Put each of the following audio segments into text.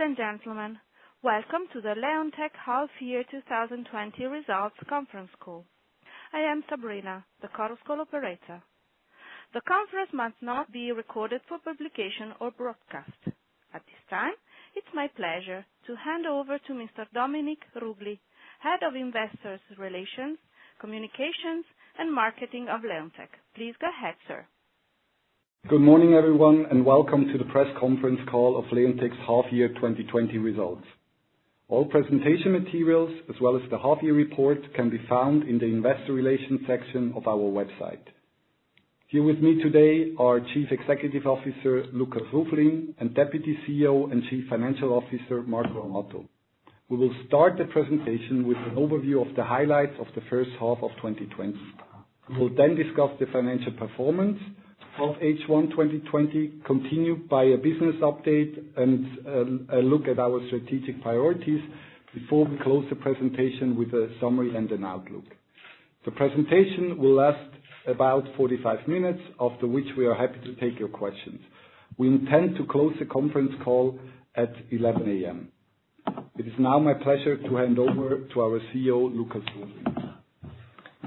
Ladies and gentlemen, welcome to the Leonteq Half Year 2020 Results Conference Call. I am Sabrina, the conference call operator. The conference must not be recorded for publication or broadcast. At this time, it's my pleasure to hand over to Mr. Dominik Ruggli, Head of Investor Relations, Communications, and Marketing of Leonteq. Please go ahead, sir. Good morning, everyone, and welcome to the press conference call of Leonteq's half year 2020 results. All presentation materials, as well as the half year report, can be found in the investor relations section of our website. Here with me today are Chief Executive Officer, Lukas Ruflin, and Deputy CEO and Chief Financial Officer, Marco Amato. We will start the presentation with an overview of the highlights of the first half of 2020. We'll discuss the financial performance of H1 2020, continued by a business update and a look at our strategic priorities before we close the presentation with a summary and an outlook. The presentation will last about 45 minutes, after which we are happy to take your questions. We intend to close the conference call at 11:00 A.M. It is now my pleasure to hand over to our CEO, Lukas Ruflin.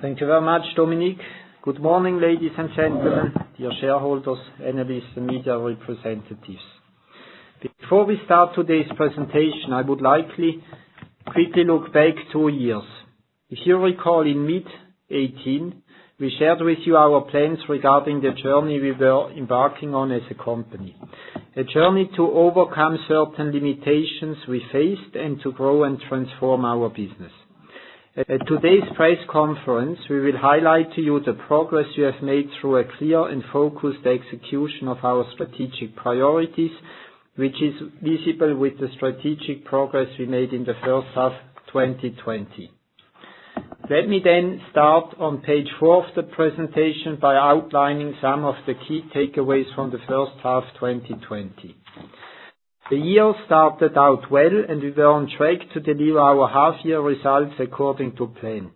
Thank you very much, Dominik. Good morning, ladies and gentlemen, dear shareholders, analysts, and media representatives. Before we start today's presentation, I would likely quickly look back two years. If you recall, in mid 2018, we shared with you our plans regarding the journey we were embarking on as a company. A journey to overcome certain limitations we faced and to grow and transform our business. At today's press conference, we will highlight to you the progress we have made through a clear and focused execution of our strategic priorities, which is visible with the strategic progress we made in the first half of 2020. Let me start on page four of the presentation by outlining some of the key takeaways from the first half 2020. The year started out well, and we were on track to deliver our half year results according to plan.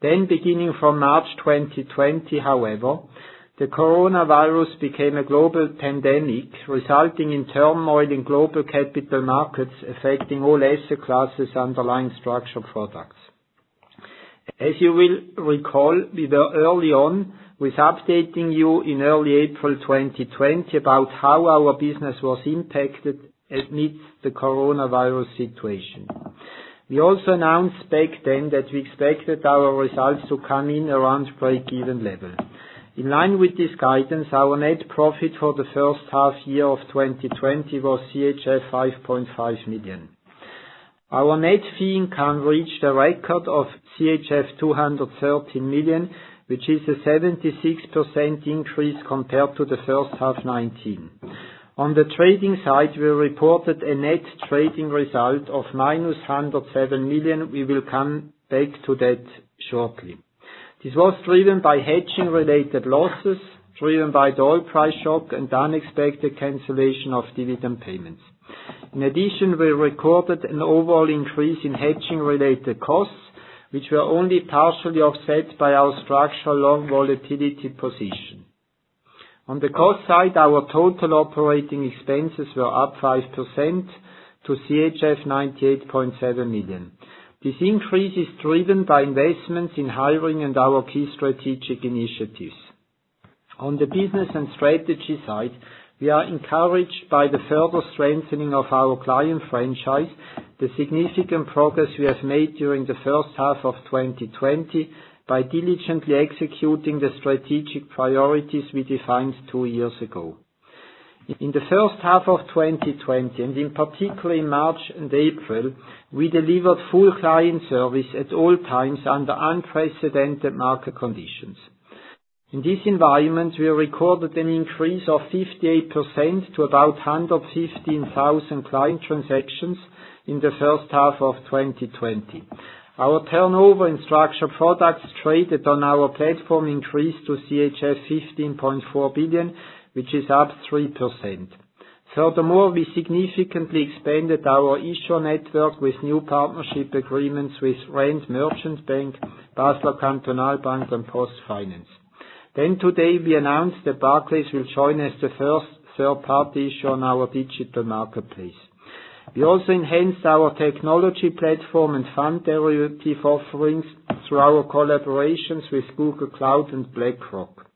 Beginning from March 2020, however, the coronavirus became a global pandemic, resulting in turmoil in global capital markets, affecting all asset classes underlying structured products. As you will recall, we were early on with updating you in early April 2020 about how our business was impacted amidst the coronavirus situation. We also announced back then that we expected our results to come in around breakeven level. In line with this guidance, our net profit for the first half year of 2020 was CHF 5.5 million. Our net fee income reached a record of CHF 230 million, which is a 76% increase compared to the first half 2019. On the trading side, we reported a net trading result of minus 107 million. We will come back to that shortly. This was driven by hedging-related losses, driven by the oil price shock, and unexpected cancellation of dividend payments. We recorded an overall increase in hedging-related costs, which were only partially offset by our structural long volatility position. On the cost side, our total operating expenses were up 5% to CHF 98.7 million. This increase is driven by investments in hiring and our key strategic initiatives. On the business and strategy side, we are encouraged by the further strengthening of our client franchise, the significant progress we have made during the first half of 2020 by diligently executing the strategic priorities we defined two years ago. In the first half of 2020, in particular in March and April, we delivered full client service at all times under unprecedented market conditions. In this environment, we recorded an increase of 58% to about 115,000 client transactions in the first half of 2020. Our turnover in structured products traded on our platform increased to CHF 15.4 billion, which is up 3%. Furthermore, we significantly expanded our issuer network with new partnership agreements with Rand Merchant Bank, Basler Kantonalbank, and PostFinance. Today, we announced that Barclays will join as the first third-party issuer on our digital marketplace. We also enhanced our technology platform and fund derivative offerings through our collaborations with Google Cloud and BlackRock.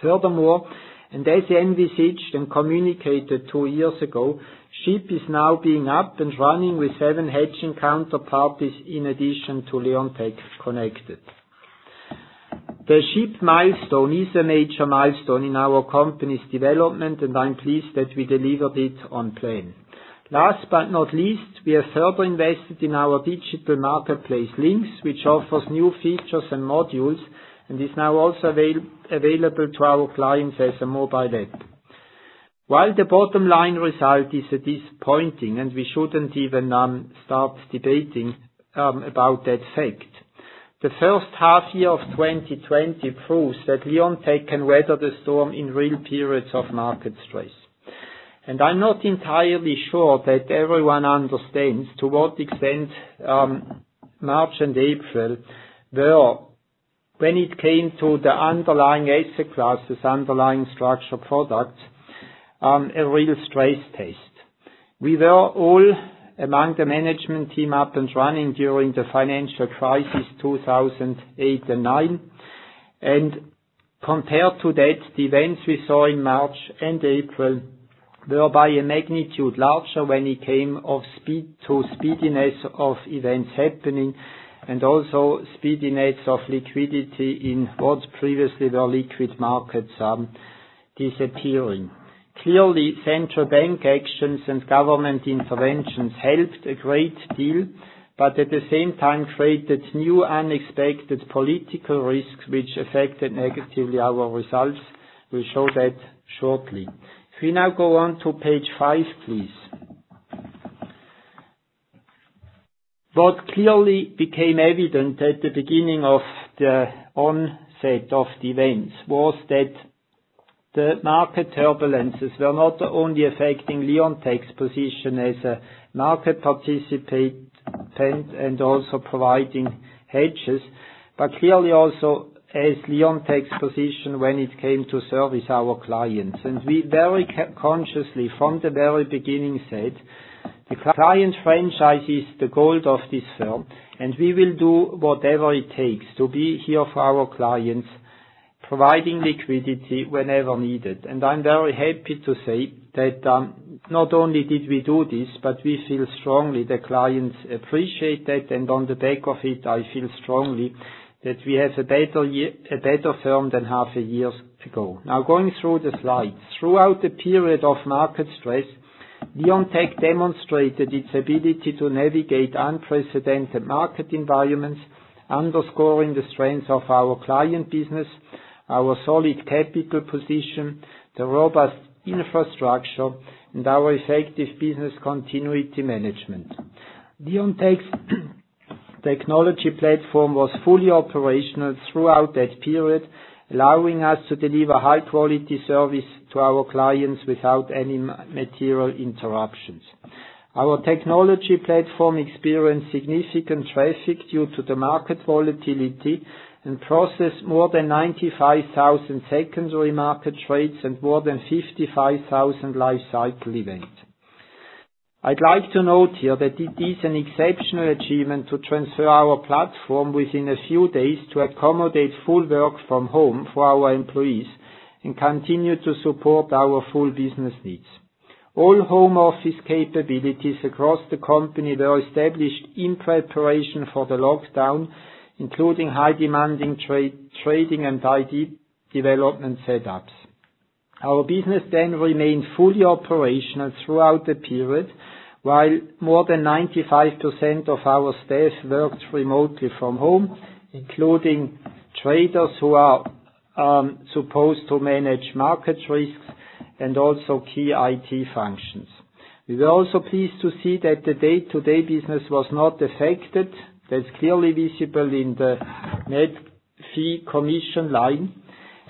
Furthermore, as envisaged and communicated two years ago, SHIP is now being up and running with seven hedging counterparties in addition to Leonteq connected. The SHIP milestone is a major milestone in our company's development, and I'm pleased that we delivered it on plan. Last but not least, we have further invested in our digital marketplace LynQs, which offers new features and modules, and is now also available to our clients as a mobile app. While the bottom line result is disappointing, and we shouldn't even start debating about that fact, the first half year of 2020 proves that Leonteq can weather the storm in real periods of market stress. I'm not entirely sure that everyone understands to what extent March and April were, when it came to the underlying asset classes, underlying structured products, a real stress test. We were all, among the management team, up and running during the financial crisis 2008 and 2009. Compared to that, the events we saw in March and April were by a magnitude larger when it came to speediness of events happening, and also speediness of liquidity in what previously were liquid markets disappearing. Clearly, central bank actions and government interventions helped a great deal, but at the same time created new unexpected political risks, which affected negatively our results. We'll show that shortly. If we now go on to page five, please. What clearly became evident at the beginning of the onset of the events was that the market turbulences were not only affecting Leonteq's position as a market participant and also providing hedges, but clearly also as Leonteq's position when it came to service our clients. We very consciously, from the very beginning, said, "The client franchise is the gold of this firm, and we will do whatever it takes to be here for our clients, providing liquidity whenever needed." I'm very happy to say that, not only did we do this, but we feel strongly the clients appreciate that. On the back of it, I feel strongly that we have a better firm than half a year ago. Now, going through the slides. Throughout the period of market stress, Leonteq demonstrated its ability to navigate unprecedented market environments, underscoring the strength of our client business, our solid capital position, the robust infrastructure, and our effective business continuity management. Leonteq's technology platform was fully operational throughout that period, allowing us to deliver high-quality service to our clients without any material interruptions. Our technology platform experienced significant traffic due to the market volatility and processed more than 95,000 secondary market trades and more than 55,000 lifecycle events. I'd like to note here that it is an exceptional achievement to transfer our platform within a few days to accommodate full work from home for our employees and continue to support our full business needs. All home office capabilities across the company were established in preparation for the lockdown, including high-demanding trading and IT development setups. Our business remained fully operational throughout the period, while more than 95% of our staff worked remotely from home, including traders who are supposed to manage market risks and also key IT functions. We're also pleased to see that the day-to-day business was not affected. That's clearly visible in the net fee commission line.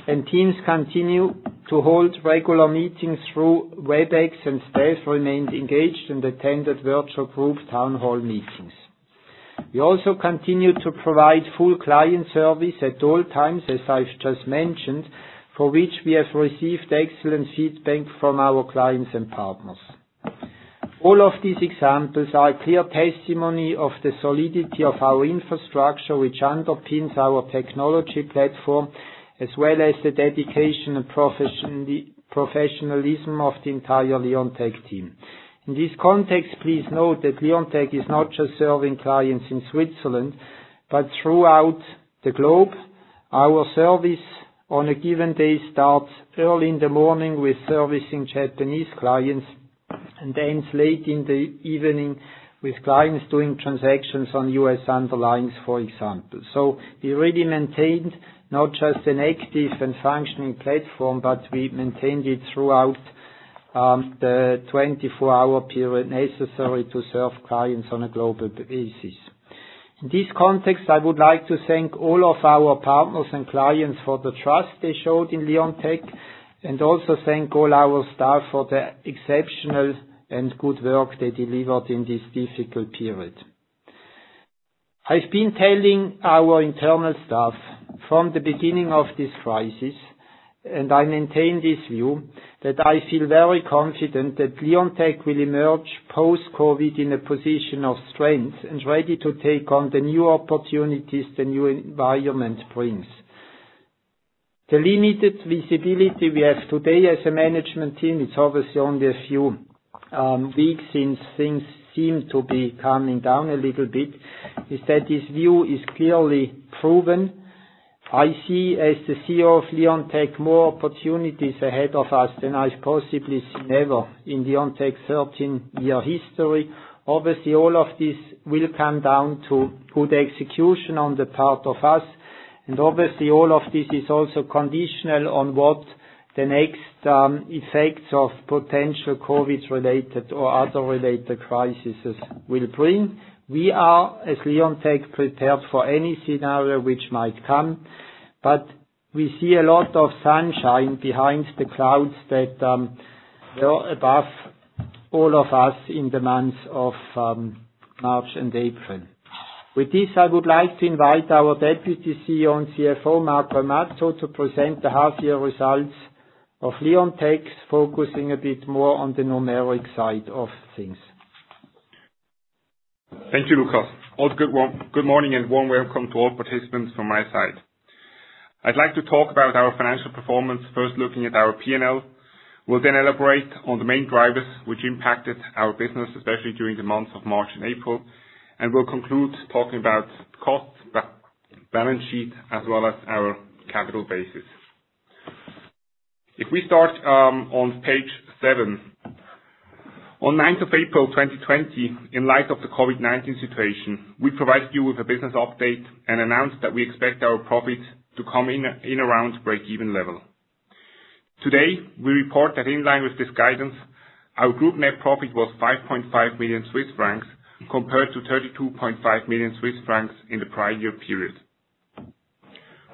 Teams continue to hold regular meetings through Webex, and staff remained engaged and attended virtual group town hall meetings. We also continued to provide full client service at all times, as I've just mentioned, for which we have received excellent feedback from our clients and partners. All of these examples are clear testimony of the solidity of our infrastructure, which underpins our technology platform, as well as the dedication and professionalism of the entire Leonteq team. In this context, please note that Leonteq is not just serving clients in Switzerland but throughout the globe. Our service on a given day starts early in the morning with servicing Japanese clients and ends late in the evening with clients doing transactions on U.S. underlyings, for example. We really maintained not just an active and functioning platform, but we maintained it throughout the 24-hour period necessary to serve clients on a global basis. In this context, I would like to thank all of our partners and clients for the trust they showed in Leonteq, and also thank all our staff for the exceptional and good work they delivered in this difficult period. I've been telling our internal staff from the beginning of this crisis, and I maintain this view, that I feel very confident that Leonteq will emerge post-COVID in a position of strength and ready to take on the new opportunities the new environment brings. The limited visibility we have today as a management team, it's obviously only a few weeks since things seem to be calming down a little bit, is that this view is clearly proven. I see, as the CEO of Leonteq, more opportunities ahead of us than I've possibly seen ever in Leonteq's 13-year history. All of this will come down to good execution on the part of us. All of this is also conditional on what the next effects of potential COVID-19-related or other related crises will bring. We are, as Leonteq, prepared for any scenario which might come, but we see a lot of sunshine behind the clouds that were above all of us in the months of March and April. With this, I would like to invite our Deputy CEO and CFO, Marco Amato, to present the half-year results of Leonteq's, focusing a bit more on the numeric side of things. Thank you, Lukas. Good morning, and warm welcome to all participants from my side. I'd like to talk about our financial performance, first looking at our P&L. We'll then elaborate on the main drivers which impacted our business, especially during the months of March and April, and we'll conclude talking about costs, balance sheet, as well as our capital bases. If we start on page seven. On 9th of April 2020, in light of the COVID-19 situation, we provided you with a business update and announced that we expect our profit to come in around break-even level. Today, we report that in line with this guidance, our group net profit was 5.5 million Swiss francs compared to 32.5 million Swiss francs in the prior year period.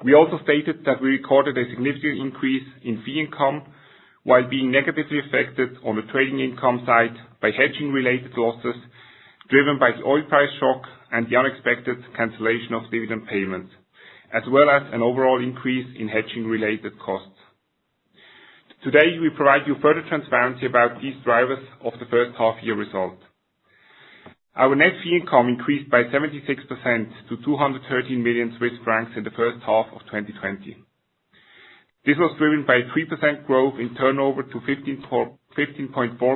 We also stated that we recorded a significant increase in fee income while being negatively affected on the trading income side by hedging-related losses driven by the oil price shock and the unexpected cancellation of dividend payments, as well as an overall increase in hedging-related costs. Today, we provide you further transparency about these drivers of the first half-year result. Our net fee income increased by 76% to 213 million Swiss francs in the first half of 2020. This was driven by a 3% growth in turnover to 15.4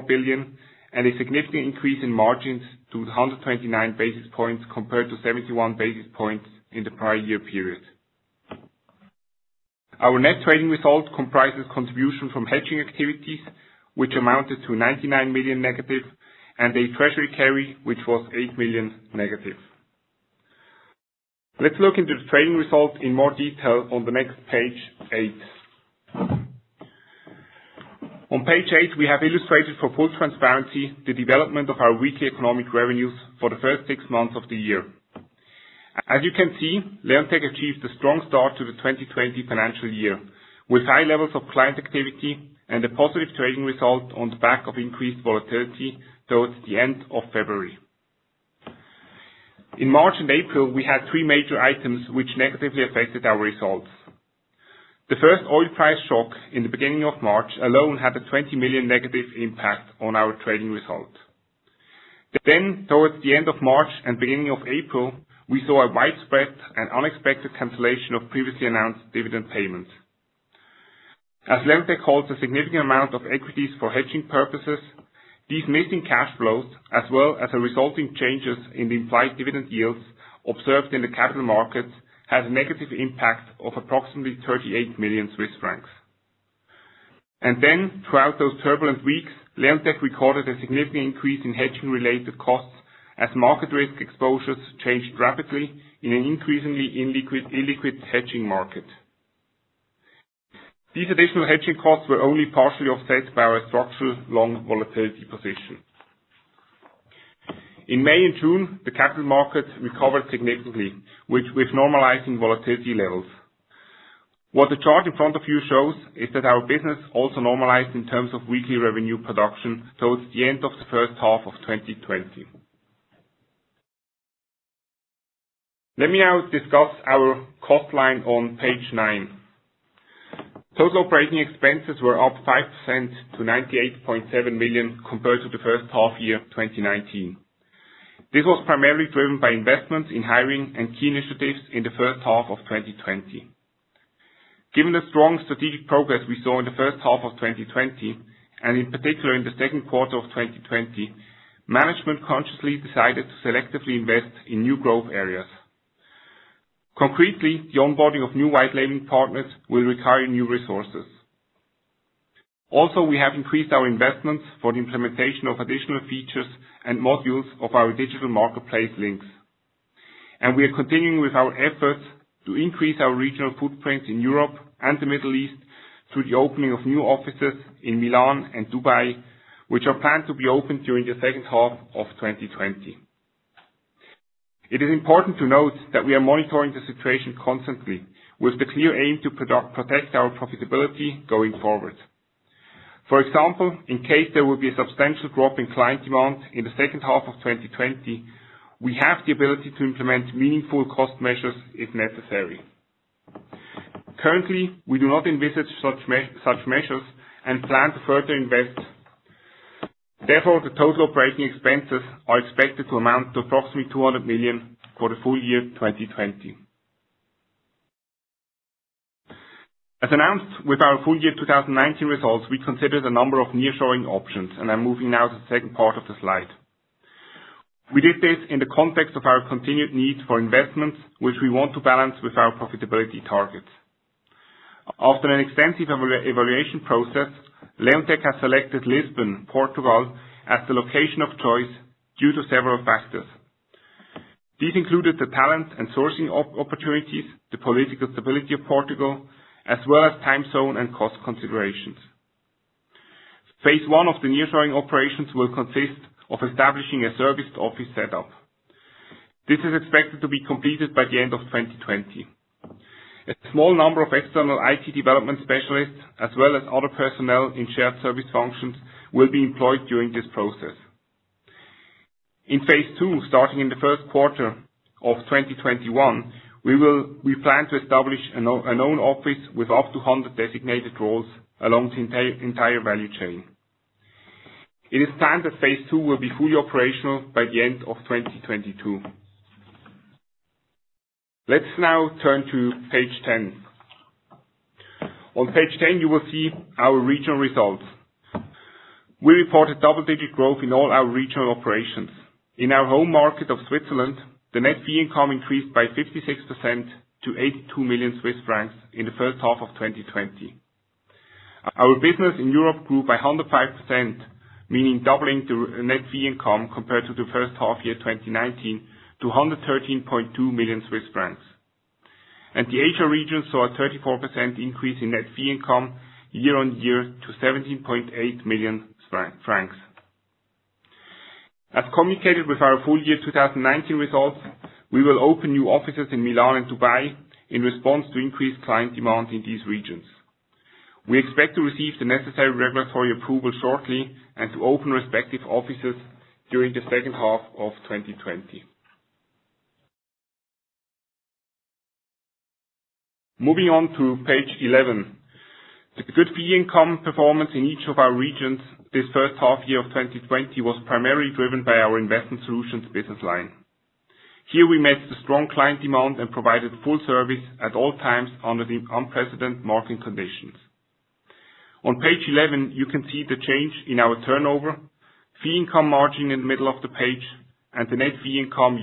billion and a significant increase in margins to 129 basis points compared to 71 basis points in the prior year period. Our net trading results comprises contribution from hedging activities, which amounted to 99 million negative, and a treasury carry, which was eight million negative. Let's look into the trading results in more detail on the next page, eight. On page eight, we have illustrated for full transparency the development of our weekly economic revenues for the first six months of the year. As you can see, Leonteq achieved a strong start to the 2020 financial year, with high levels of client activity and a positive trading result on the back of increased volatility towards the end of February. In March and April, we had three major items which negatively affected our results. The first oil price shock in the beginning of March alone had a 20 million negative impact on our trading results. Towards the end of March and beginning of April, we saw a widespread and unexpected cancellation of previously announced dividend payments. As Leonteq holds a significant amount of equities for hedging purposes, these missing cash flows, as well as the resulting changes in the implied dividend yields observed in the capital markets, had a negative impact of approximately 38 million Swiss francs. Then, throughout those turbulent weeks, Leonteq recorded a significant increase in hedging related costs as market risk exposures changed rapidly in an increasingly illiquid hedging market. These additional hedging costs were only partially offset by our structural long volatility position. In May and June, the capital markets recovered significantly, with normalizing volatility levels. What the chart in front of you shows is that our business also normalized in terms of weekly revenue production towards the end of the first half of 2020. Let me now discuss our cost line on page nine. Total operating expenses were up 5% to 98.7 million compared to the first half year of 2019. This was primarily driven by investments in hiring and key initiatives in the first half of 2020. Given the strong strategic progress we saw in the first half of 2020, and in particular in the second quarter of 2020, management consciously decided to selectively invest in new growth areas. Concretely, the onboarding of new white label partners will require new resources. We have increased our investments for the implementation of additional features and modules of our digital marketplace LynQs. We are continuing with our efforts to increase our regional footprint in Europe and the Middle East through the opening of new offices in Milan and Dubai, which are planned to be opened during the second half of 2020. It is important to note that we are monitoring the situation constantly with the clear aim to protect our profitability going forward. For example, in case there will be a substantial drop in client demand in the second half of 2020, we have the ability to implement meaningful cost measures if necessary. Currently, we do not envisage such measures and plan to further invest. Therefore, the total operating expenses are expected to amount to approximately 200 million for the full year 2020. As announced with our full year 2019 results, we considered a number of nearshoring options, and I'm moving now to the second part of the slide. We did this in the context of our continued need for investments, which we want to balance with our profitability targets. After an extensive evaluation process, Leonteq has selected Lisbon, Portugal as the location of choice due to several factors. These included the talent and sourcing opportunities, the political stability of Portugal, as well as time zone and cost considerations. Phase 1 of the nearshoring operations will consist of establishing a serviced office setup. This is expected to be completed by the end of 2020. A small number of external IT development specialists, as well as other personnel in shared service functions, will be employed during this process. In Phase 2, starting in the first quarter of 2021, we plan to establish an own office with up to 100 designated roles along the entire value chain. It is planned that Phase 2 will be fully operational by the end of 2022. Let's now turn to page 10. On page 10, you will see our regional results. We reported double-digit growth in all our regional operations. In our home market of Switzerland, the net fee income increased by 56% to 82 million Swiss francs in the first half of 2020. Our business in Europe grew by 105%, meaning doubling the net fee income compared to the first half year 2019 to 113.2 million Swiss francs. The Asia region saw a 34% increase in net fee income year-on-year to CHF 17.8 million. As communicated with our full year 2019 results, we will open new offices in Milan and Dubai in response to increased client demand in these regions. We expect to receive the necessary regulatory approval shortly and to open respective offices during the second half of 2020. Moving on to page 11. The good fee income performance in each of our regions this first half year of 2020 was primarily driven by our investment solutions business line. Here we met the strong client demand and provided full service at all times under the unprecedented market conditions. On page 11, you can see the change in our turnover, fee income margin in the middle of the page, and the net fee income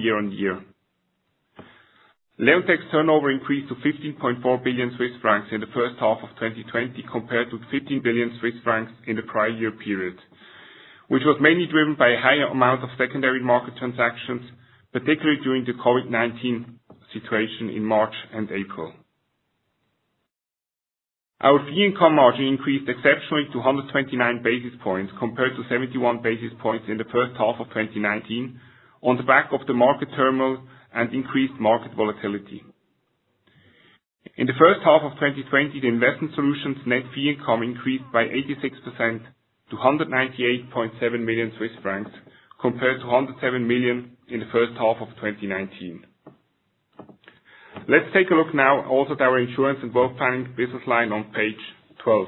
year-over-year. Leonteq's turnover increased to 15.4 billion Swiss francs in the first half of 2020 compared to 15 billion Swiss francs in the prior year period, which was mainly driven by a higher amount of secondary market transactions, particularly during the COVID-19 situation in March and April. Our fee income margin increased exceptionally to 129 basis points compared to 71 basis points in the first half of 2019 on the back of the market turmoil and increased market volatility. In the first half of 2020, the investment solutions net fee income increased by 86% to 198.7 million Swiss francs compared to 107 million in the first half of 2019. Let's take a look now also at our insurance and wealth planning business line on page 12.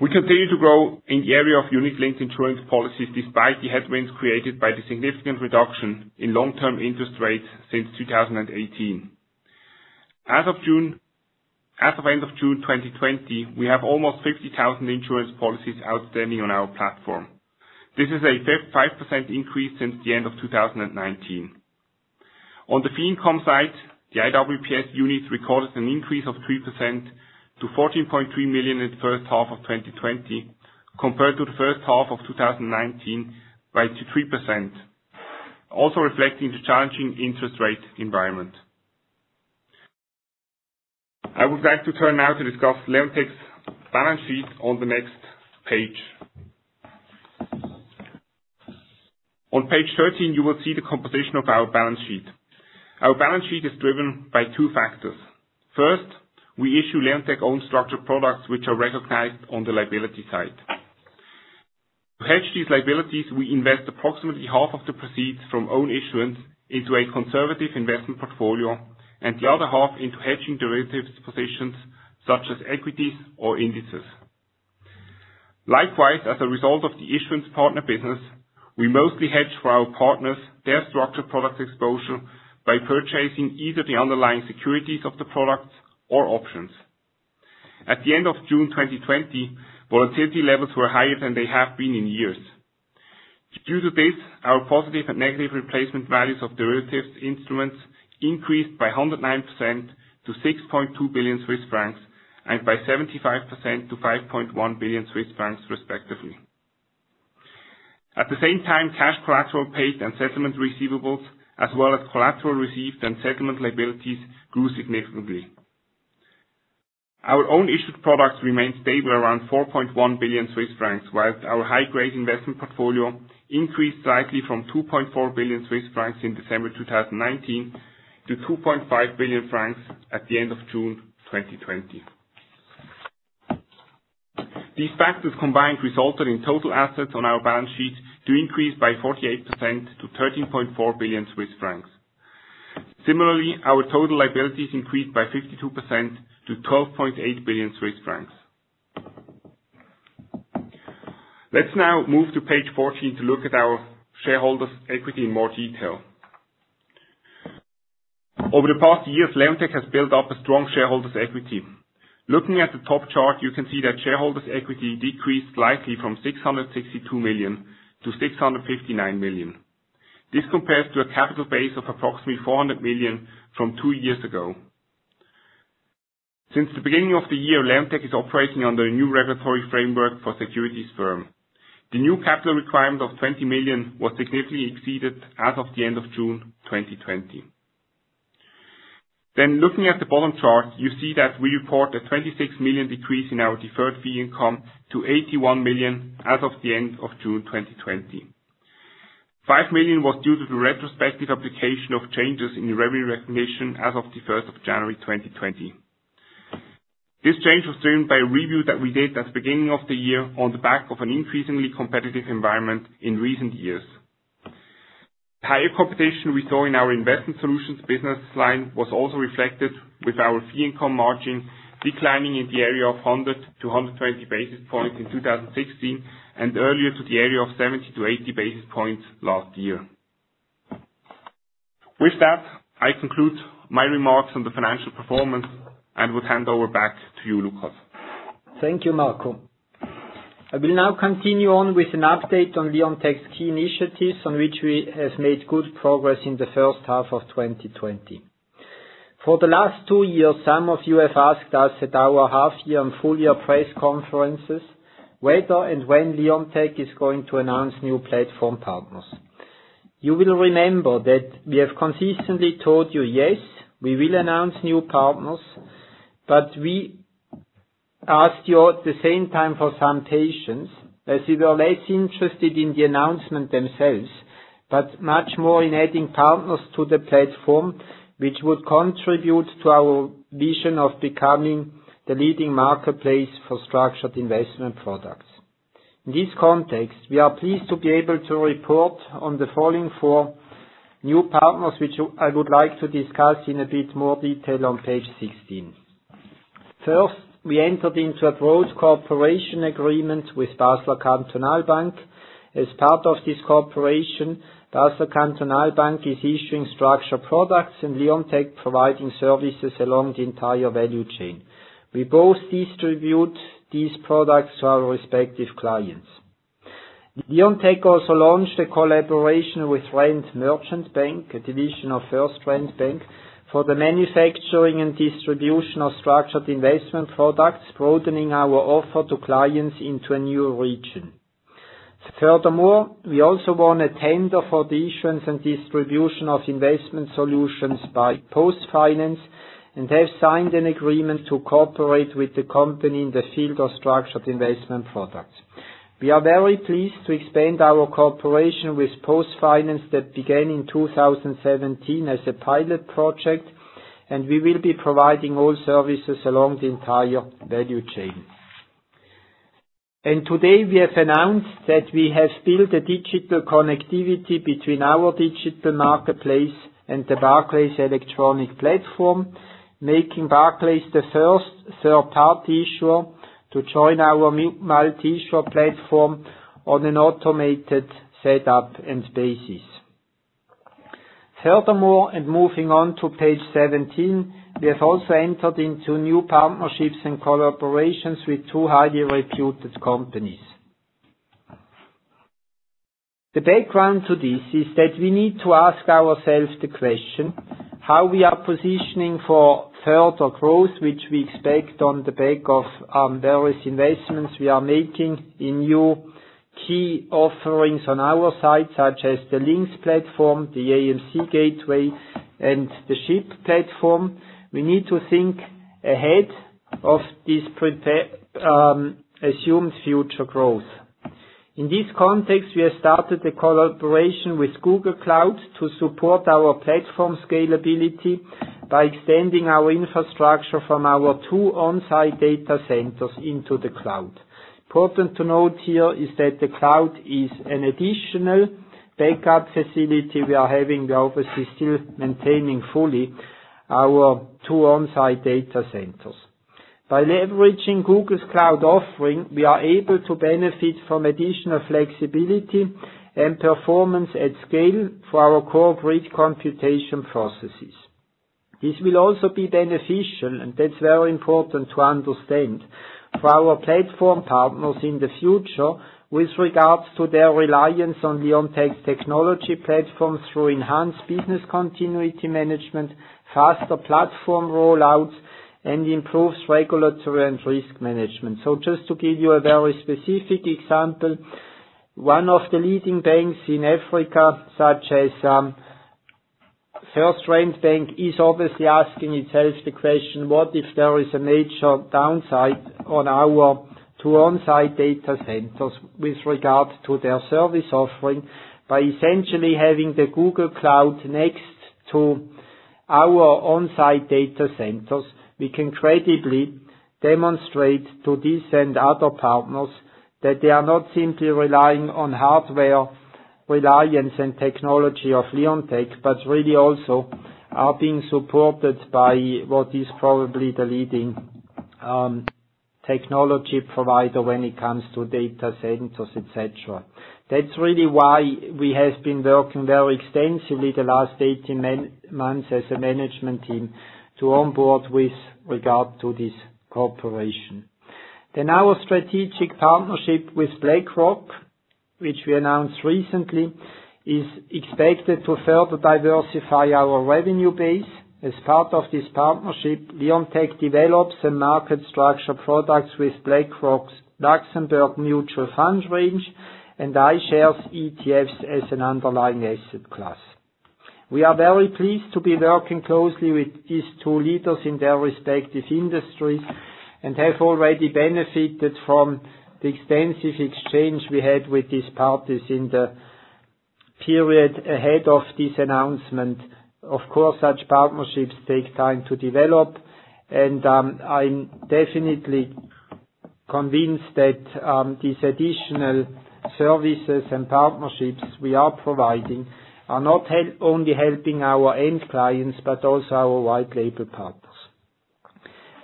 We continue to grow in the area of unit-linked insurance policies despite the headwinds created by the significant reduction in long-term interest rates since 2018. As of end of June 2020, we have almost 50,000 insurance policies outstanding on our platform. This is a 55% increase since the end of 2019. On the fee income side, the IWPS units recorded an increase of 3% to 14.3 million in the first half of 2020 compared to the first half of 2019 by 3%, also reflecting the challenging interest rate environment. I would like to turn now to discuss Leonteq's balance sheet on the next page. On page 13, you will see the composition of our balance sheet. Our balance sheet is driven by two factors. First, we issue Leonteq own structured products, which are recognized on the liability side. To hedge these liabilities, we invest approximately half of the proceeds from own issuance into a conservative investment portfolio and the other half into hedging derivatives positions such as equities or indices. Likewise, as a result of the issuance partner business, we mostly hedge for our partners their structured product exposure by purchasing either the underlying securities of the products or options. At the end of June 2020, volatility levels were higher than they have been in years. Due to this, our positive and negative replacement values of derivatives instruments increased by 109% to 6.2 billion Swiss francs and by 75% to 5.1 billion Swiss francs respectively. At the same time, cash collateral paid and settlement receivables, as well as collateral received and settlement liabilities, grew significantly. Our own issued products remained stable around 4.1 billion Swiss francs, whilst our high-grade investment portfolio increased slightly from 2.4 billion Swiss francs in December 2019 to 2.5 billion francs at the end of June 2020. These factors combined resulted in total assets on our balance sheet to increase by 48% to 13.4 billion Swiss francs. Similarly, our total liabilities increased by 52% to 12.8 billion Swiss francs. Let's now move to page 14 to look at our shareholders' equity in more detail. Over the past years, Leonteq has built up a strong shareholders' equity. Looking at the top chart, you can see that shareholders' equity decreased slightly from 662 million to 659 million. This compares to a capital base of approximately 400 million from two years ago. Since the beginning of the year, Leonteq is operating under a new regulatory framework for securities firm. The new capital requirement of 20 million was significantly exceeded as of the end of June 2020. Looking at the bottom chart, you see that we report a 26 million decrease in our deferred fee income to 81 million as of the end of June 2020. 5 million was due to the retrospective application of changes in the revenue recognition as of the 1st of January 2020. This change was driven by a review that we did at the beginning of the year on the back of an increasingly competitive environment in recent years. Higher competition we saw in our investment solutions business line was also reflected with our fee income margin declining in the area of 100 to 120 basis points in 2016, and earlier to the area of 70 to 80 basis points last year. With that, I conclude my remarks on the financial performance and would hand over back to you, Lukas. Thank you, Marco. I will now continue on with an update on Leonteq's key initiatives on which we have made good progress in the first half of 2020. For the last two years, some of you have asked us at our half-year and full-year press conferences whether and when Leonteq is going to announce new platform partners. You will remember that we have consistently told you, yes, we will announce new partners, but we asked you at the same time for some patience, as we were less interested in the announcement themselves, but much more in adding partners to the platform, which would contribute to our vision of becoming the leading marketplace for structured investment products. In this context, we are pleased to be able to report on the following four new partners, which I would like to discuss in a bit more detail on page 16. First, we entered into a broad cooperation agreement with Basler Kantonalbank. As part of this cooperation, Basler Kantonalbank is issuing structured products and Leonteq providing services along the entire value chain. We both distribute these products to our respective clients. Leonteq also launched a collaboration with Rand Merchant Bank, a division of FirstRand Bank, for the manufacturing and distribution of structured investment products, broadening our offer to clients into a new region. Furthermore, we also won a tender for the issuance and distribution of investment solutions by PostFinance, and have signed an agreement to cooperate with the company in the field of structured investment products. We are very pleased to expand our cooperation with PostFinance that began in 2017 as a pilot project, and we will be providing all services along the entire value chain. Today we have announced that we have built a digital connectivity between our digital marketplace and the Barclays electronic platform, making Barclays the first third-party issuer to join our multi-issuer platform on an automated setup and basis. Furthermore, moving on to page 17, we have also entered into new partnerships and collaborations with two highly reputed companies. The background to this is that we need to ask ourselves the question, how we are positioning for further growth, which we expect on the back of various investments we are making in new key offerings on our side, such as the LynQs platform, the AMC Gateway, and the SHIP platform. We need to think ahead of this assumed future growth. In this context, we have started a collaboration with Google Cloud to support our platform scalability by extending our infrastructure from our two on-site data centers into the cloud. Important to note here is that the cloud is an additional backup facility we are having. We are obviously still maintaining fully our two on-site data centers. By leveraging Google Cloud, we are able to benefit from additional flexibility and performance at scale for our core bridge computation processes. This will also be beneficial, and that's very important to understand, for our platform partners in the future with regards to their reliance on Leonteq's technology platforms through enhanced business continuity management, faster platform rollouts, and improves regulatory and risk management. Just to give you a very specific example, one of the leading banks in Africa, such as, FirstRand Bank, is obviously asking itself the question, what if there is a major downside on our two on-site data centers with regard to their service offering? By essentially having the Google Cloud next to our on-site data centers, we can credibly demonstrate to this and other partners that they are not simply relying on hardware reliance and technology of Leonteq, but really also are being supported by what is probably the leading technology provider when it comes to data centers, et cetera. That's really why we have been working very extensively the last 18 months as a management team to onboard with regard to this cooperation. Our strategic partnership with BlackRock, which we announced recently, is expected to further diversify our revenue base. As part of this partnership, Leonteq develops and markets structured products with BlackRock's Luxembourg mutual fund range and iShares ETFs as an underlying asset class. We are very pleased to be working closely with these two leaders in their respective industries, and have already benefited from the extensive exchange we had with these parties in the period ahead of this announcement. Of course, such partnerships take time to develop, and I'm definitely convinced that these additional services and partnerships we are providing are not only helping our end clients, but also our white label partners.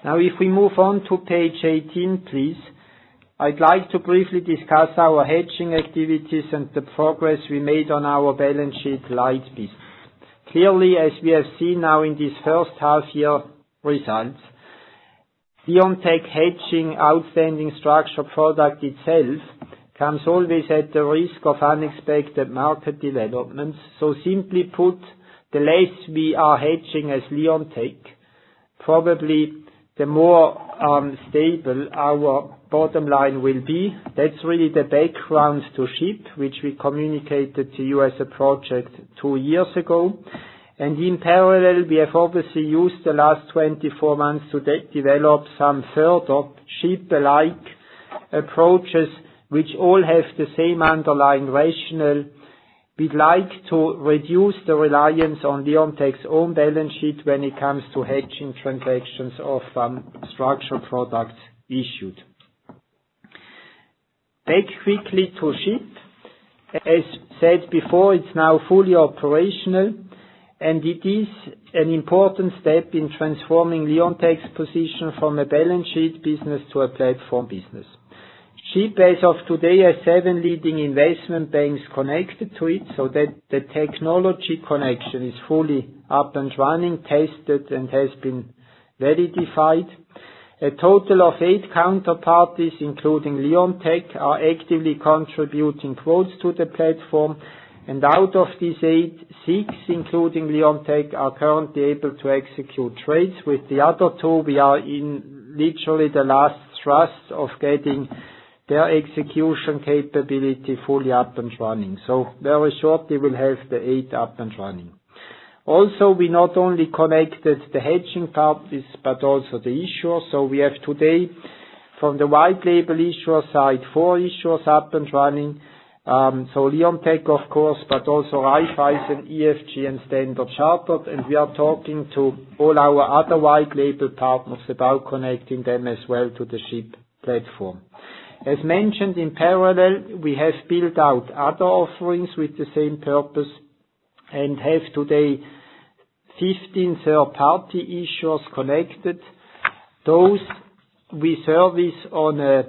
Now, if we move on to page 18, please, I'd like to briefly discuss our hedging activities and the progress we made on our balance sheet light piece. Clearly, as we have seen now in this first half year results, Leonteq hedging outstanding structured product itself comes always at the risk of unexpected market developments. Simply put, the less we are hedging as Leonteq, probably the more stable our bottom line will be. That's really the background to SHIP, which we communicated to you as a project two years ago. In parallel, we have obviously used the last 24 months to develop some further SHIP-alike approaches, which all have the same underlying rationale. We'd like to reduce the reliance on Leonteq's own balance sheet when it comes to hedging transactions of structured products issued. Back quickly to SHIP. As said before, it's now fully operational, and it is an important step in transforming Leonteq's position from a balance sheet business to a platform business. SHIP, as of today, has seven leading investment banks connected to it, so the technology connection is fully up and running, tested, and has been verified. A total of eight counterparties, including Leonteq, are actively contributing quotes to the platform. Out of these eight, six, including Leonteq, are currently able to execute trades. With the other two, we are in literally the last thrust of getting their execution capability fully up and running. Very shortly, we'll have the eight up and running. We not only connected the hedging parties, but also the issuers. We have today, from the white label issuer side, four issuers up and running. Leonteq, of course, but also Raiffeisen, EFG, and Standard Chartered. We are talking to all our other white label partners about connecting them as well to the SHIP platform. As mentioned, in parallel, we have built out other offerings with the same purpose and have today 15 third-party issuers connected. Those we service on a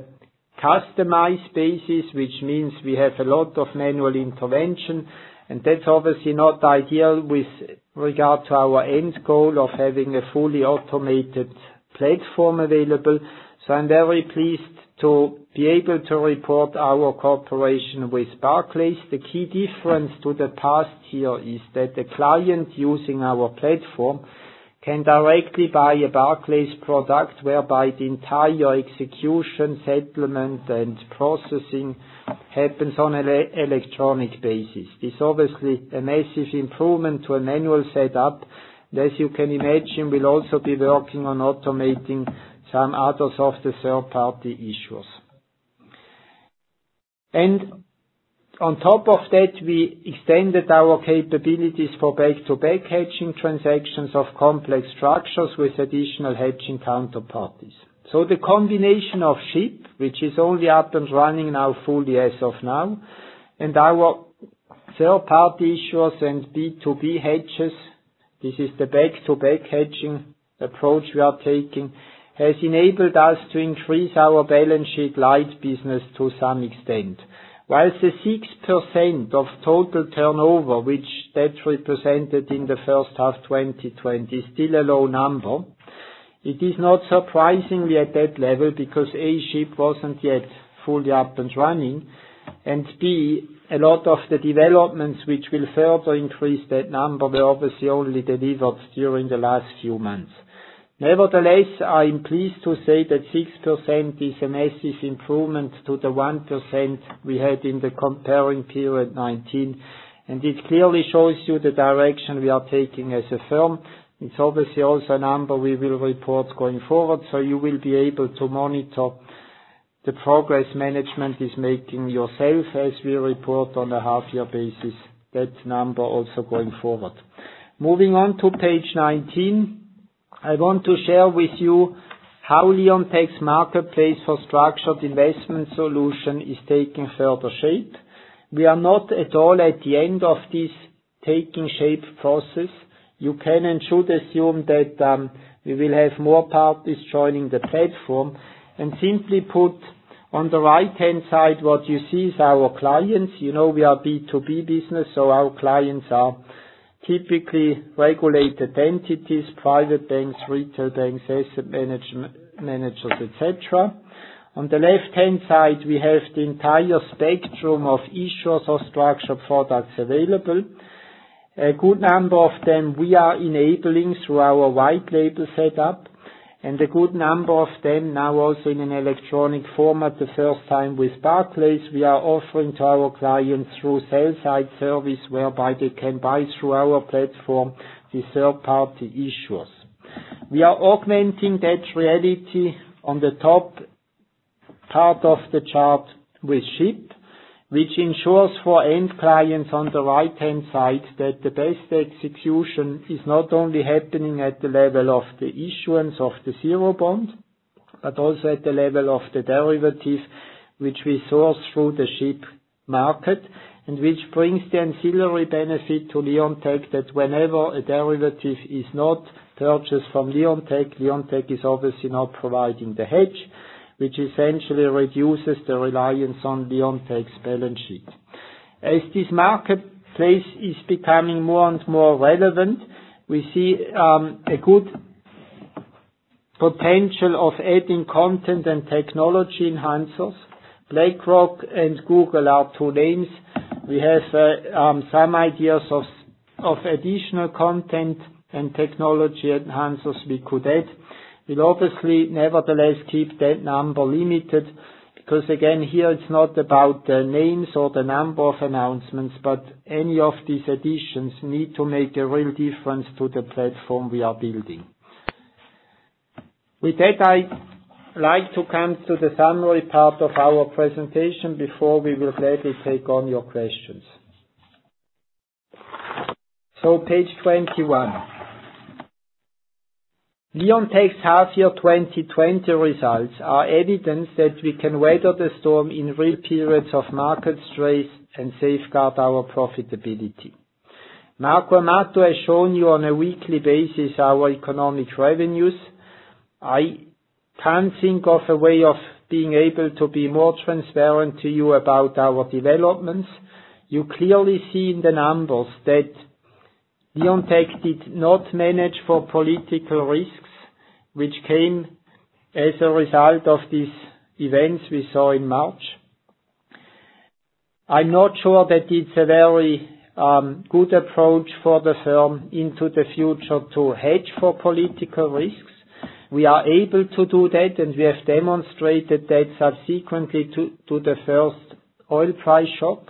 customized basis, which means we have a lot of manual intervention, and that's obviously not ideal with regard to our end goal of having a fully automated platform available. I'm very pleased to be able to report our cooperation with Barclays. The key difference to the past here is that the client using our platform can directly buy a Barclays product, whereby the entire execution, settlement, and processing happens on an electronic basis. It's obviously a massive improvement to a manual setup. As you can imagine, we'll also be working on automating some other of the third-party issuers. On top of that, we extended our capabilities for back-to-back hedging transactions of complex structures with additional hedging counterparties. The combination of SHIP, which is only up and running now fully as of now, and our third-party issuers and B2B hedges, this is the back-to-back hedging approach we are taking, has enabled us to increase our balance sheet light business to some extent. The 6% of total turnover, which that represented in the first half 2020, is still a low number, it is not surprisingly at that level because, A, SHIP wasn't yet fully up and running, and B, a lot of the developments which will further increase that number were obviously only delivered during the last few months. I am pleased to say that 6% is a massive improvement to the 1% we had in the comparing period 2019, and it clearly shows you the direction we are taking as a firm. It's obviously also a number we will report going forward, so you will be able to monitor the progress management is making yourself as we report on a half-year basis that number also going forward. Moving on to page 19, I want to share with you how Leonteq's marketplace for structured investment solution is taking further shape. We are not at all at the end of this taking shape process. You can and should assume that we will have more parties joining the platform. Simply put, on the right-hand side, what you see is our clients. You know we are B2B business, so our clients are typically regulated entities, private banks, retail banks, asset managers, et cetera. On the left-hand side, we have the entire spectrum of issuers of structured products available. A good number of them we are enabling through our white label setup, and a good number of them now also in an electronic format, the first time with Barclays, we are offering to our clients through sell side service, whereby they can buy through our platform, the third-party issuers. We are augmenting that reality on the top part of the chart with SHIP, which ensures for end clients on the right-hand side that the best execution is not only happening at the level of the issuance of the zero bond, but also at the level of the derivative, which we source through the SHIP market, and which brings the ancillary benefit to Leonteq that whenever a derivative is not purchased from Leonteq is obviously not providing the hedge, which essentially reduces the reliance on Leonteq's balance sheet. As this marketplace is becoming more and more relevant, we see a good potential of adding content and technology enhancers. BlackRock and Google are two names. We have some ideas of additional content and technology enhancers we could add. We'll obviously, nevertheless, keep that number limited because, again, here it's not about the names or the number of announcements, but any of these additions need to make a real difference to the platform we are building. With that, I'd like to come to the summary part of our presentation before we will gladly take on your questions. Page 21. Leonteq's half year 2020 results are evidence that we can weather the storm in real periods of market stress and safeguard our profitability. Marco Amato has shown you on a weekly basis our economic revenues. I can't think of a way of being able to be more transparent to you about our developments. You clearly see in the numbers that Leonteq did not manage for political risks, which came as a result of these events we saw in March. I'm not sure that it's a very good approach for the firm into the future to hedge for political risks. We are able to do that, and we have demonstrated that subsequently to the first oil price shock.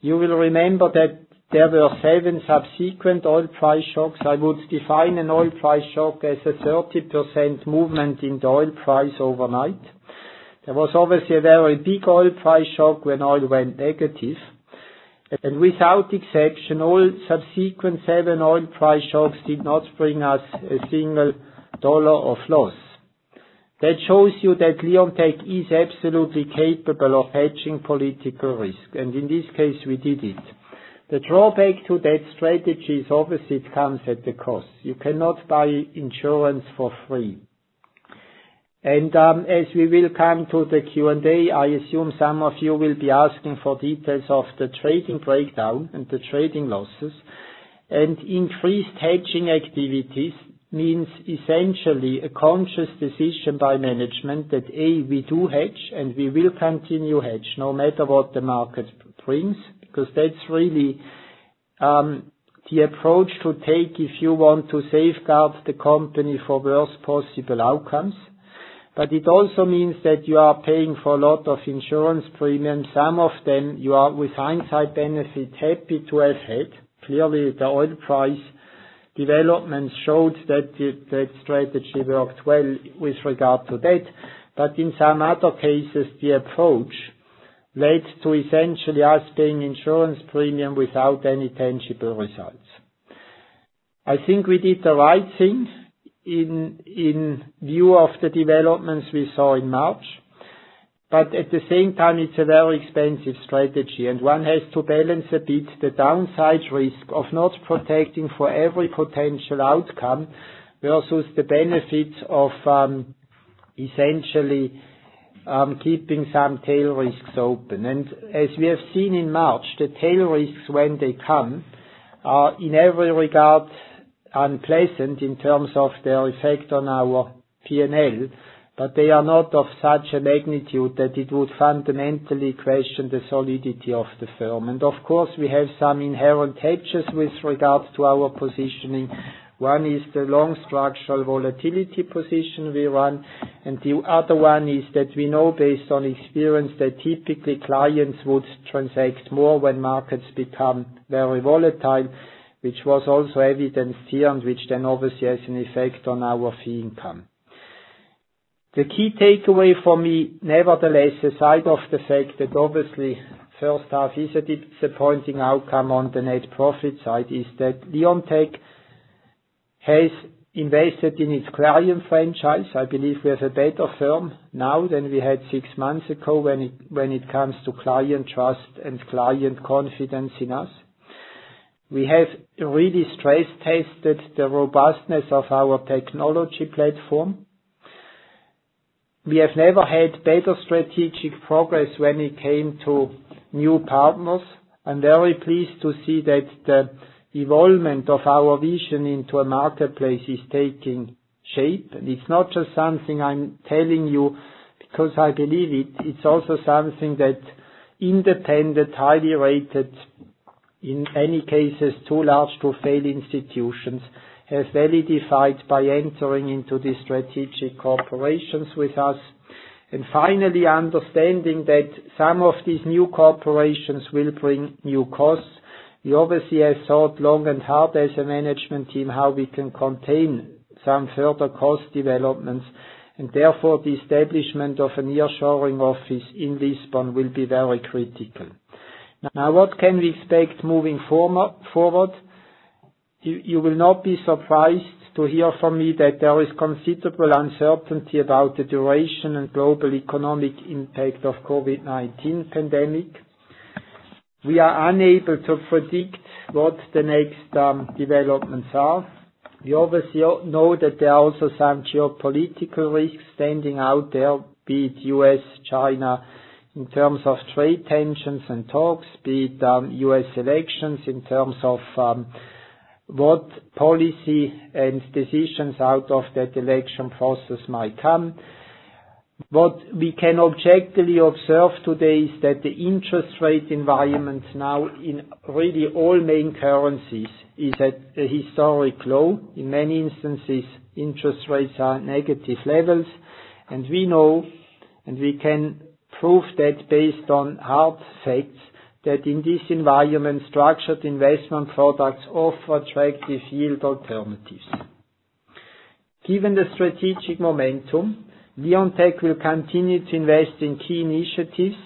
You will remember that there were seven subsequent oil price shocks. I would define an oil price shock as a 30% movement in the oil price overnight. There was obviously a very big oil price shock when oil went negative. Without exception, all subsequent seven oil price shocks did not bring us a single dollar of loss. That shows you that Leonteq is absolutely capable of hedging political risk. In this case, we did it. The drawback to that strategy is obviously it comes at a cost. You cannot buy insurance for free. As we will come to the Q&A, I assume some of you will be asking for details of the trading breakdown and the trading losses. Increased hedging activities means essentially a conscious decision by management that, A, we do hedge, and we will continue hedge no matter what the market brings, because that's really the approach to take if you want to safeguard the company for worst possible outcomes. It also means that you are paying for a lot of insurance premium. Some of them you are, with hindsight benefit, happy to have had. Clearly, the oil price developments showed that the strategy worked well with regard to that. In some other cases, the approach led to essentially us paying insurance premium without any tangible results. I think we did the right thing in view of the developments we saw in March. At the same time, it's a very expensive strategy, and one has to balance a bit the downside risk of not protecting for every potential outcome versus the benefits of essentially keeping some tail risks open. As we have seen in March, the tail risks when they come are in every regard unpleasant in terms of their effect on our P&L, but they are not of such a magnitude that it would fundamentally question the solidity of the firm. Of course, we have some inherent hedges with regards to our positioning. One is the long structural volatility position we run, and the other one is that we know based on experience that typically clients would transact more when markets become very volatile, which was also evidenced here, and which then obviously has an effect on our fee income. The key takeaway for me, nevertheless, aside of the fact that obviously first half is a disappointing outcome on the net profit side, is that Leonteq has invested in its client franchise. I believe we have a better firm now than we had six months ago when it comes to client trust and client confidence in us. We have really stress-tested the robustness of our technology platform. We have never had better strategic progress when it came to new partners. I am very pleased to see that the evolvement of our vision into a marketplace is taking shape, and it is not just something I am telling you because I believe it is also something that independent, highly rated, in many cases too large to fail institutions, have validated by entering into these strategic cooperations with us. Finally, understanding that some of these new cooperations will bring new costs. We obviously have thought long and hard as a management team how we can contain some further cost developments, and therefore the establishment of a nearshoring office in Lisbon will be very critical. Now, what can we expect moving forward? You will not be surprised to hear from me that there is considerable uncertainty about the duration and global economic impact of COVID-19 pandemic. We are unable to predict what the next developments are. We obviously know that there are also some geopolitical risks standing out there, be it U.S., China, in terms of trade tensions and talks, be it U.S. elections in terms of what policy and decisions out of that election process might come. What we can objectively observe today is that the interest rate environments now in, really, all main currencies is at a historic low. In many instances, interest rates are at negative levels. We know, and we can prove that based on hard facts, that in this environment, structured investment products offer attractive yield alternatives. Given the strategic momentum, Leonteq will continue to invest in key initiatives.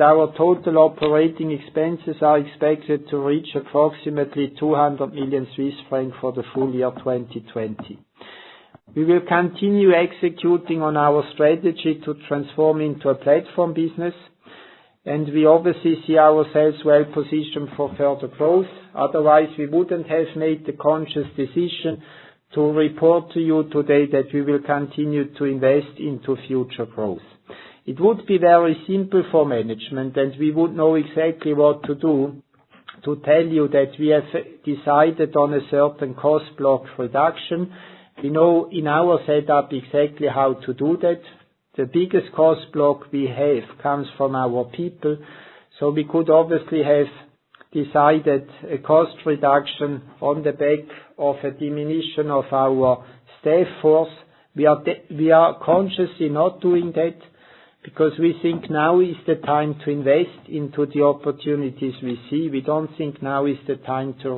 Our total operating expenses are expected to reach approximately 200 million Swiss francs for the full year 2020. We will continue executing on our strategy to transform into a platform business. We obviously see ourselves well-positioned for further growth. Otherwise, we wouldn't have made the conscious decision to report to you today that we will continue to invest into future growth. It would be very simple for management. We would know exactly what to do to tell you that we have decided on a certain cost block reduction. We know in our setup exactly how to do that. The biggest cost block we have comes from our people. We could obviously have decided a cost reduction on the back of a diminution of our staff force. We are consciously not doing that because we think now is the time to invest into the opportunities we see. We don't think now is the time to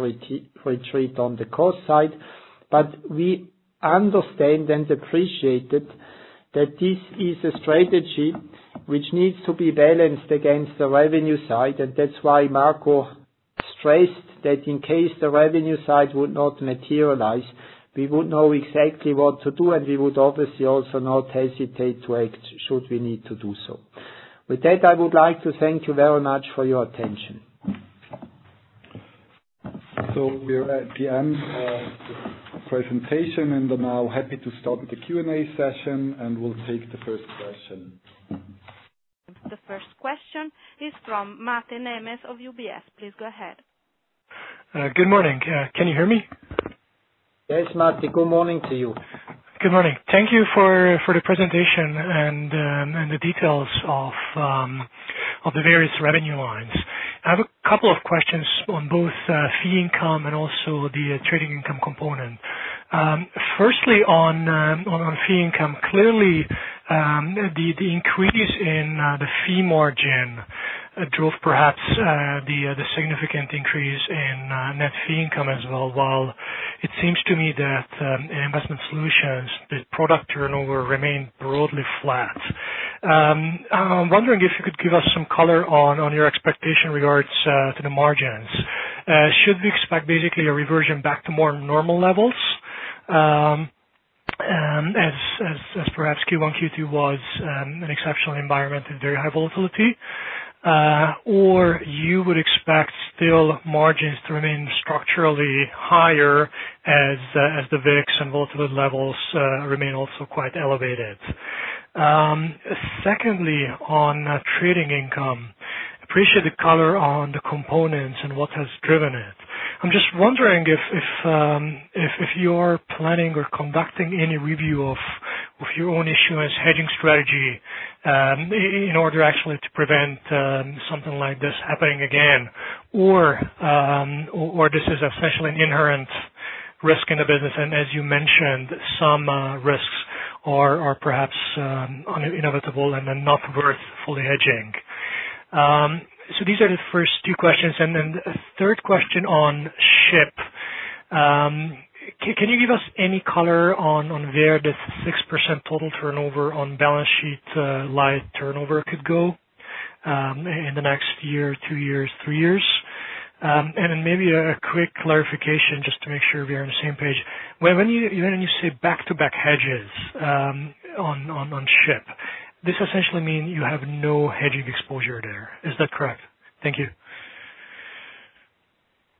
retreat on the cost side. We understand and appreciate that this is a strategy which needs to be balanced against the revenue side. That's why Marco stressed that in case the revenue side would not materialize, we would know exactly what to do, and we would obviously also not hesitate to act, should we need to do so. With that, I would like to thank you very much for your attention. We're at the end of the presentation, and I'm now happy to start the Q&A session, and we'll take the first question. The first question is from Máté Nemes of UBS. Please go ahead. Good morning. Can you hear me? Yes, Máté. Good morning to you. Good morning. Thank you for the presentation and the details of the various revenue lines. I have a couple of questions on both fee income and also the trading income component. Firstly, on fee income. Clearly, the increase in the fee margin drove perhaps the significant increase in net fee income as well. While it seems to me that in investment solutions, the product turnover remained broadly flat. I'm wondering if you could give us some color on your expectation regards to the margins. Should we expect basically a reversion back to more normal levels, as perhaps Q1, Q2 was an exceptional environment and very high volatility? You would expect still margins to remain structurally higher as the VIX and volatility levels remain also quite elevated. Secondly, on trading income. Appreciate the color on the components and what has driven it. I'm just wondering if you're planning or conducting any review of your own issuance hedging strategy, in order actually to prevent something like this happening again? This is a special and inherent risk in the business, and as you mentioned, some risks are perhaps inevitable and are not worth fully hedging. These are the first two questions. A third question on SHIP. Can you give us any color on where the 6% total turnover on balance sheet live turnover could go in the next year, two years, three years? Maybe a quick clarification just to make sure we're on the same page. When you say back-to-back hedges on SHIP, this essentially means you have no hedging exposure there. Is that correct? Thank you.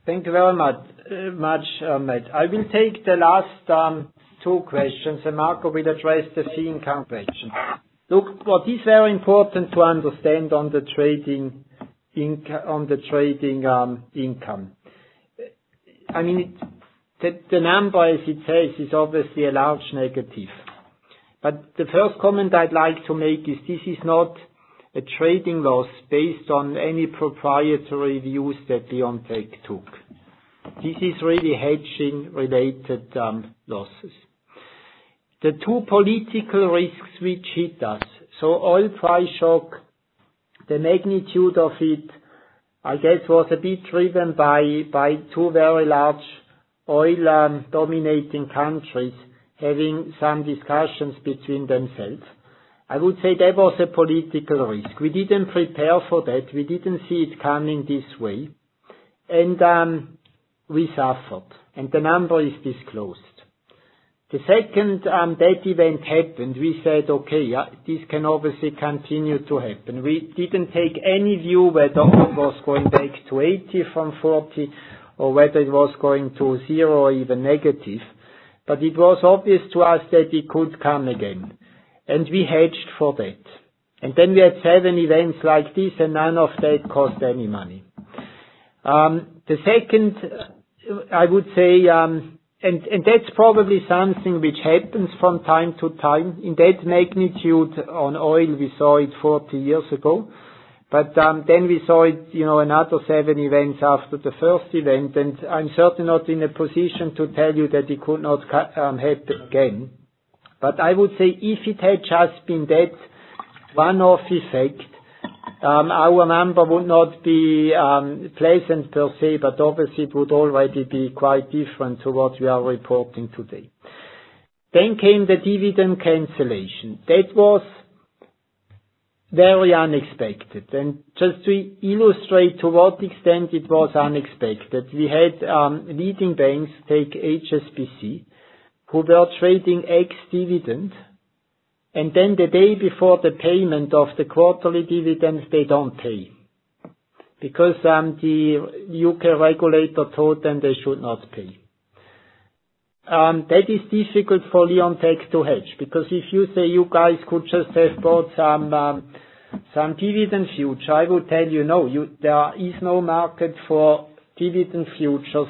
Thank you very much, Máté. I will take the last two questions, and Marco will address the fee income question. Look, what is very important to understand on the trading income. The number as it says is obviously a large negative. The first comment I'd like to make is this is not a trading loss based on any proprietary views that Leonteq took. This is really hedging-related losses. The two political risks which hit us. Oil price shock, the magnitude of it, I guess, was a bit driven by two very large oil-dominating countries having some discussions between themselves. I would say that was a political risk. We didn't prepare for that. We didn't see it coming this way. We suffered, and the number is disclosed. The second that event happened, we said, okay, this can obviously continue to happen. We didn't take any view whether oil was going back to 80 from 40 or whether it was going to zero or even negative. It was obvious to us that it could come again, and we hedged for that. We had seven events like this, and none of that cost any money. The second, I would say, that's probably something which happens from time to time. In that magnitude on oil, we saw it 40 years ago, we saw it, another seven events after the first event, I'm certainly not in a position to tell you that it could not happen again. I would say if it had just been that one-off effect, our number would not be pleasant per se, obviously it would already be quite different to what we are reporting today. Came the dividend cancellation. That was very unexpected. Just to illustrate to what extent it was unexpected, we had leading banks take HSBC, who were trading ex-dividend, then the day before the payment of the quarterly dividends, they don't pay because the U.K. regulator told them they should not pay. That is difficult for Leonteq to hedge because if you say you guys could just have bought some dividend future, I would tell you no, there is no market for dividend futures.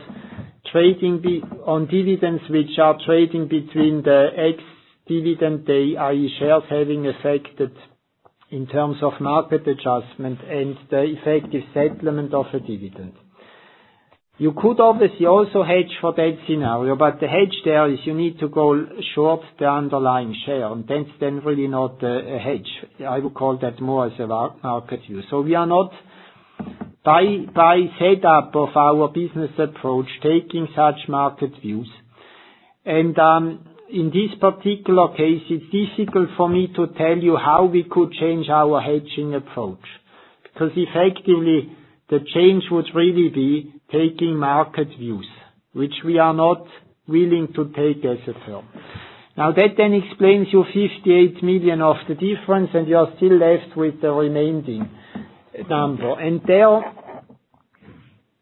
Trading on dividends which are trading between the ex-dividend day, i.e. shares having reflected in terms of market adjustment and the effective settlement of a dividend. You could obviously also hedge for that scenario, the hedge there is you need to go short the underlying share, and that's then really not a hedge. I would call that more as a market view. We are not, by setup of our business approach, taking such market views. In this particular case, it's difficult for me to tell you how we could change our hedging approach. Effectively the change would really be taking market views, which we are not willing to take as a firm. That then explains your 58 million of the difference, and you are still left with the remaining number. There,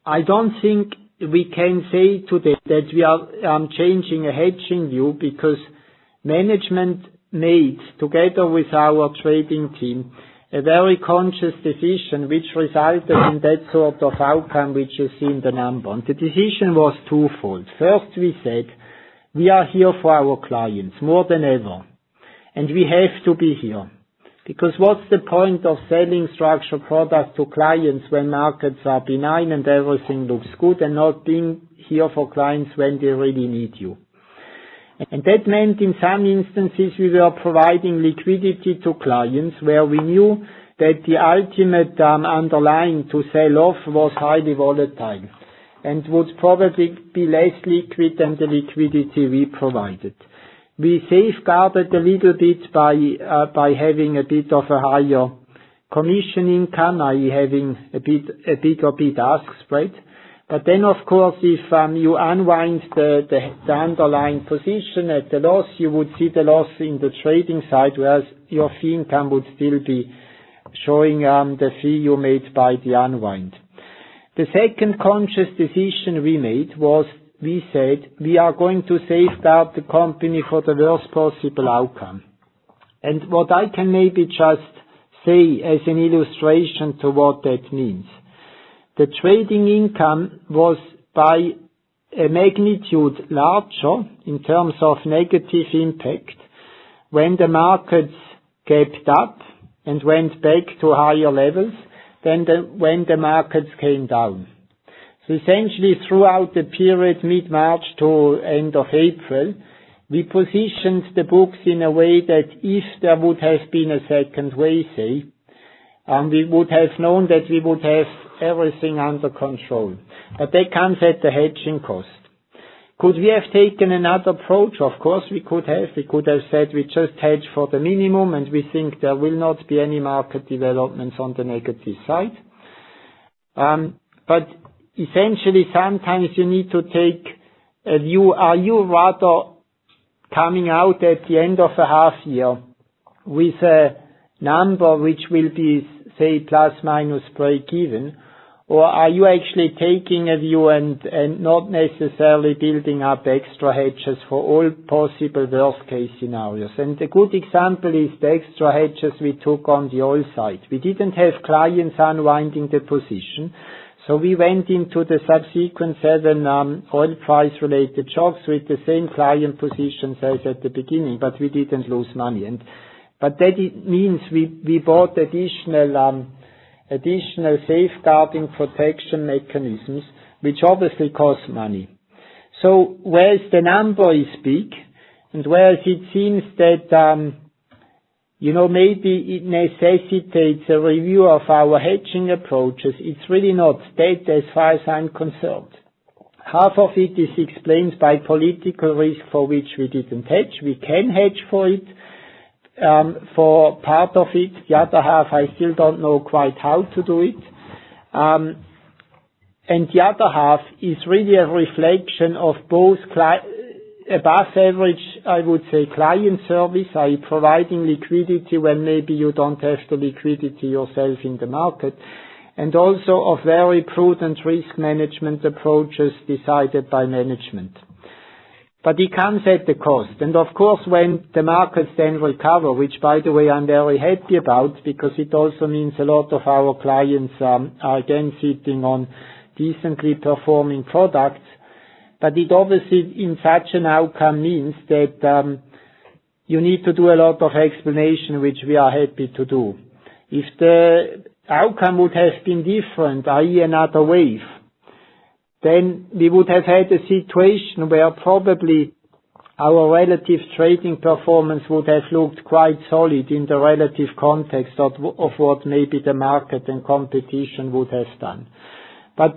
I don't think we can say today that we are changing a hedging view because management made, together with our trading team, a very conscious decision which resulted in that sort of outcome which you see in the number. The decision was twofold. First, we said we are here for our clients more than ever, and we have to be here. What's the point of selling structured products to clients when markets are benign and everything looks good and not being here for clients when they really need you? That meant in some instances, we were providing liquidity to clients where we knew that the ultimate underlying to sell off was highly volatile and would probably be less liquid than the liquidity we provided. We safeguarded a little bit by having a bit of a higher commission income, i.e. having a bigger bid-ask spread. Of course, if you unwind the underlying position at a loss, you would see the loss in the trading side, whereas your fee income would still be showing the fee you made by the unwind. The second conscious decision we made was we said we are going to safeguard the company for the worst possible outcome. What I can maybe just say as an illustration to what that means. The trading income was by a magnitude larger in terms of negative impact when the markets gapped up and went back to higher levels than when the markets came down. Essentially, throughout the period mid-March to end of April, we positioned the books in a way that if there would have been a second wave, say, we would have known that we would have everything under control. That comes at a hedging cost. Could we have taken another approach? Of course, we could have. We could have said we just hedge for the minimum, and we think there will not be any market developments on the negative side. Essentially, sometimes you need to take a view. Are you rather coming out at the end of a half year with a number which will be, say, plus minus break even? Or are you actually taking a view and not necessarily building up extra hedges for all possible worst-case scenarios? A good example is the extra hedges we took on the oil side. We didn't have clients unwinding the position. We went into the subsequent seven oil price related shocks with the same client positions as at the beginning, but we didn't lose money. That means we bought additional safeguarding protection mechanisms, which obviously cost money. Whereas the number is big, and whereas it seems that maybe it necessitates a review of our hedging approaches, it's really not that, as far as I'm concerned. Half of it is explained by political risk for which we didn't hedge. We can hedge for it, for part of it. The other half, I still don't know quite how to do it. The other half is really a reflection of both above average, I would say, client service, i.e., providing liquidity when maybe you don't have the liquidity yourself in the market, and also of very prudent risk management approaches decided by management. It comes at a cost. Of course, when the markets then recover, which by the way, I'm very happy about because it also means a lot of our clients are again sitting on decently performing products. It obviously, in such an outcome, means that you need to do a lot of explanation, which we are happy to do. If the outcome would have been different, i.e., another wave, then we would have had a situation where probably our relative trading performance would have looked quite solid in the relative context of what maybe the market and competition would have done.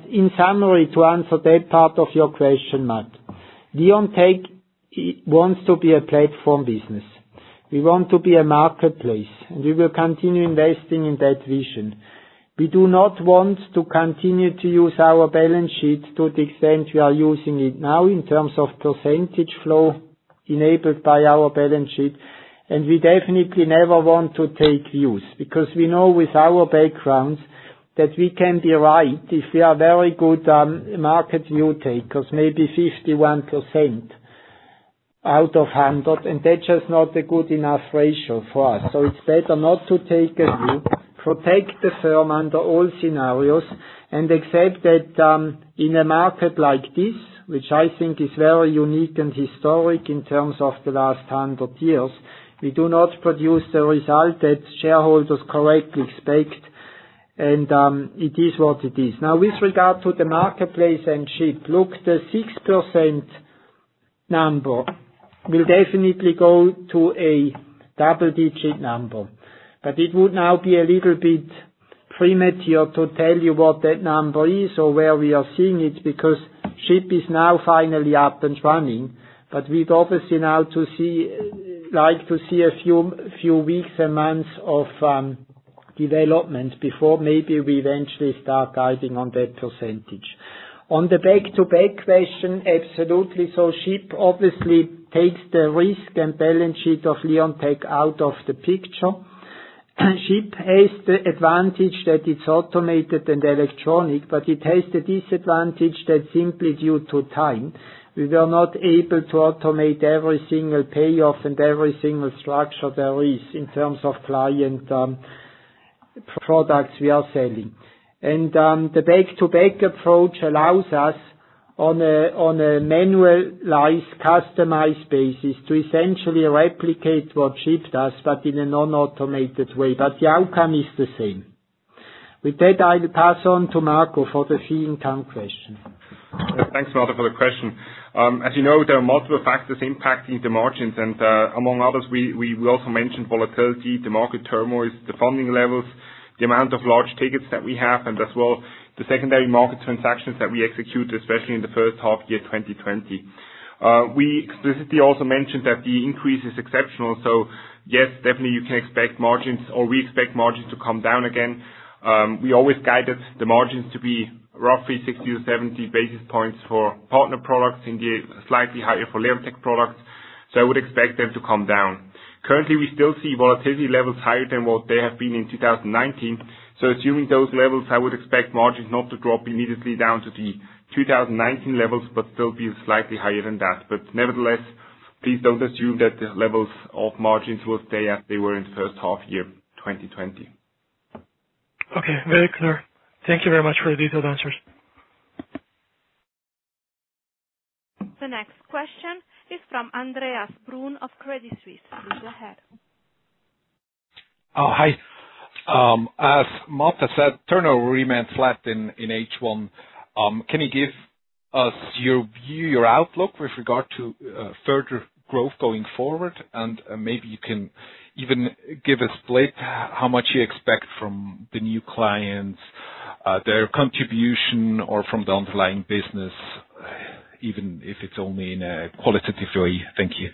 In summary, to answer that part of your question, Matt, Leonteq wants to be a platform business. We want to be a marketplace, and we will continue investing in that vision. We do not want to continue to use our balance sheet to the extent we are using it now in terms of percentage flow enabled by our balance sheet. We definitely never want to take views, because we know with our backgrounds that we can be right if we are very good market view takers, maybe 51% out of 100, and that's just not a good enough ratio for us. It's better not to take a view, protect the firm under all scenarios, and accept that in a market like this, which I think is very unique and historic in terms of the last 100 years, we do not produce the result that shareholders correctly expect, and it is what it is. With regard to the marketplace and SHIP, look, the 6% number will definitely go to a double-digit number. It would now be a little bit premature to tell you what that number is or where we are seeing it, because SHIP is now finally up and running. We'd obviously now like to see a few weeks and months of development before maybe we eventually start guiding on that percentage. On the back-to-back question, absolutely. SHIP obviously takes the risk and balance sheet of Leonteq out of the picture. SHIP has the advantage that it's automated and electronic, but it has the disadvantage that simply due to time, we were not able to automate every single payoff and every single structure there is in terms of client products we are selling. The back-to-back approach allows us on a manualized, customized basis to essentially replicate what SHIP does, but in a non-automated way. The outcome is the same. With that, I'll pass on to Marco for the fee income question. Thanks, Máté, for the question. As you know, there are multiple factors impacting the margins. Among others, we also mentioned volatility, the market turmoils, the funding levels, the amount of large tickets that we have, and as well the secondary market transactions that we execute, especially in the first half year 2020. We explicitly also mentioned that the increase is exceptional. Yes, definitely you can expect margins, or we expect margins to come down again. We always guided the margins to be roughly 60 to 70 basis points for partner products and slightly higher for Leonteq products. I would expect them to come down. Currently, we still see volatility levels higher than what they have been in 2019. Assuming those levels, I would expect margins not to drop immediately down to the 2019 levels, but still be slightly higher than that. Nevertheless, please don't assume that the levels of margins will stay as they were in the first half year 2020. Okay, very clear. Thank you very much for the detailed answers. The next question is from Andreas Brun of Credit Suisse. Please go ahead. Hi. As Máté said, turnover remained flat in H1. Can you give us your view, your outlook with regard to further growth going forward? Maybe you can even give a split, how much you expect from the new clients, their contribution, or from the underlying business, even if it's only in a qualitative way. Thank you.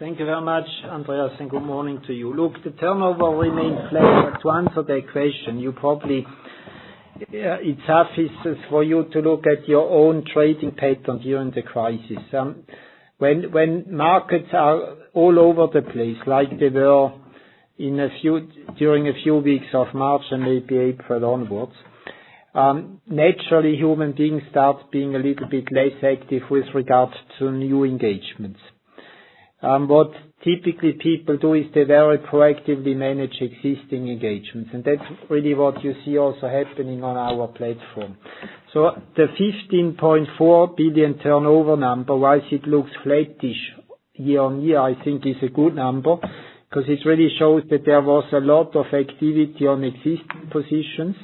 Thank you very much, Andreas, and good morning to you. Look, the turnover remains flat. To answer the question, it suffices for you to look at your own trading patterns during the crisis. When markets are all over the place like they were during a few weeks of March and maybe April onwards, naturally human beings start being a little bit less active with regards to new engagements. What typically people do is they very proactively manage existing engagements, and that's really what you see also happening on our platform. The 15.4 billion turnover number, whilst it looks flattish year-on-year, I think is a good number, because it really shows that there was a lot of activity on existing positions.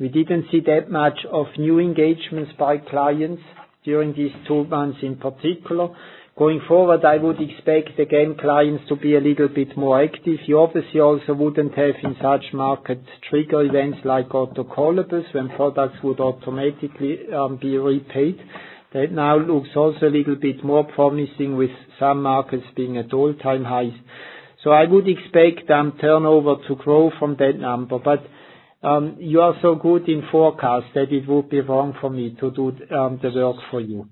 We didn't see that much of new engagements by clients during these two months in particular. Going forward, I would expect, again, clients to be a little bit more active. You obviously also wouldn't have in such markets trigger events like autocallables when products would automatically be repaid. That now looks also a little bit more promising with some markets being at all-time highs. I would expect turnover to grow from that number. You are so good in forecast that it would be wrong for me to do the work for you.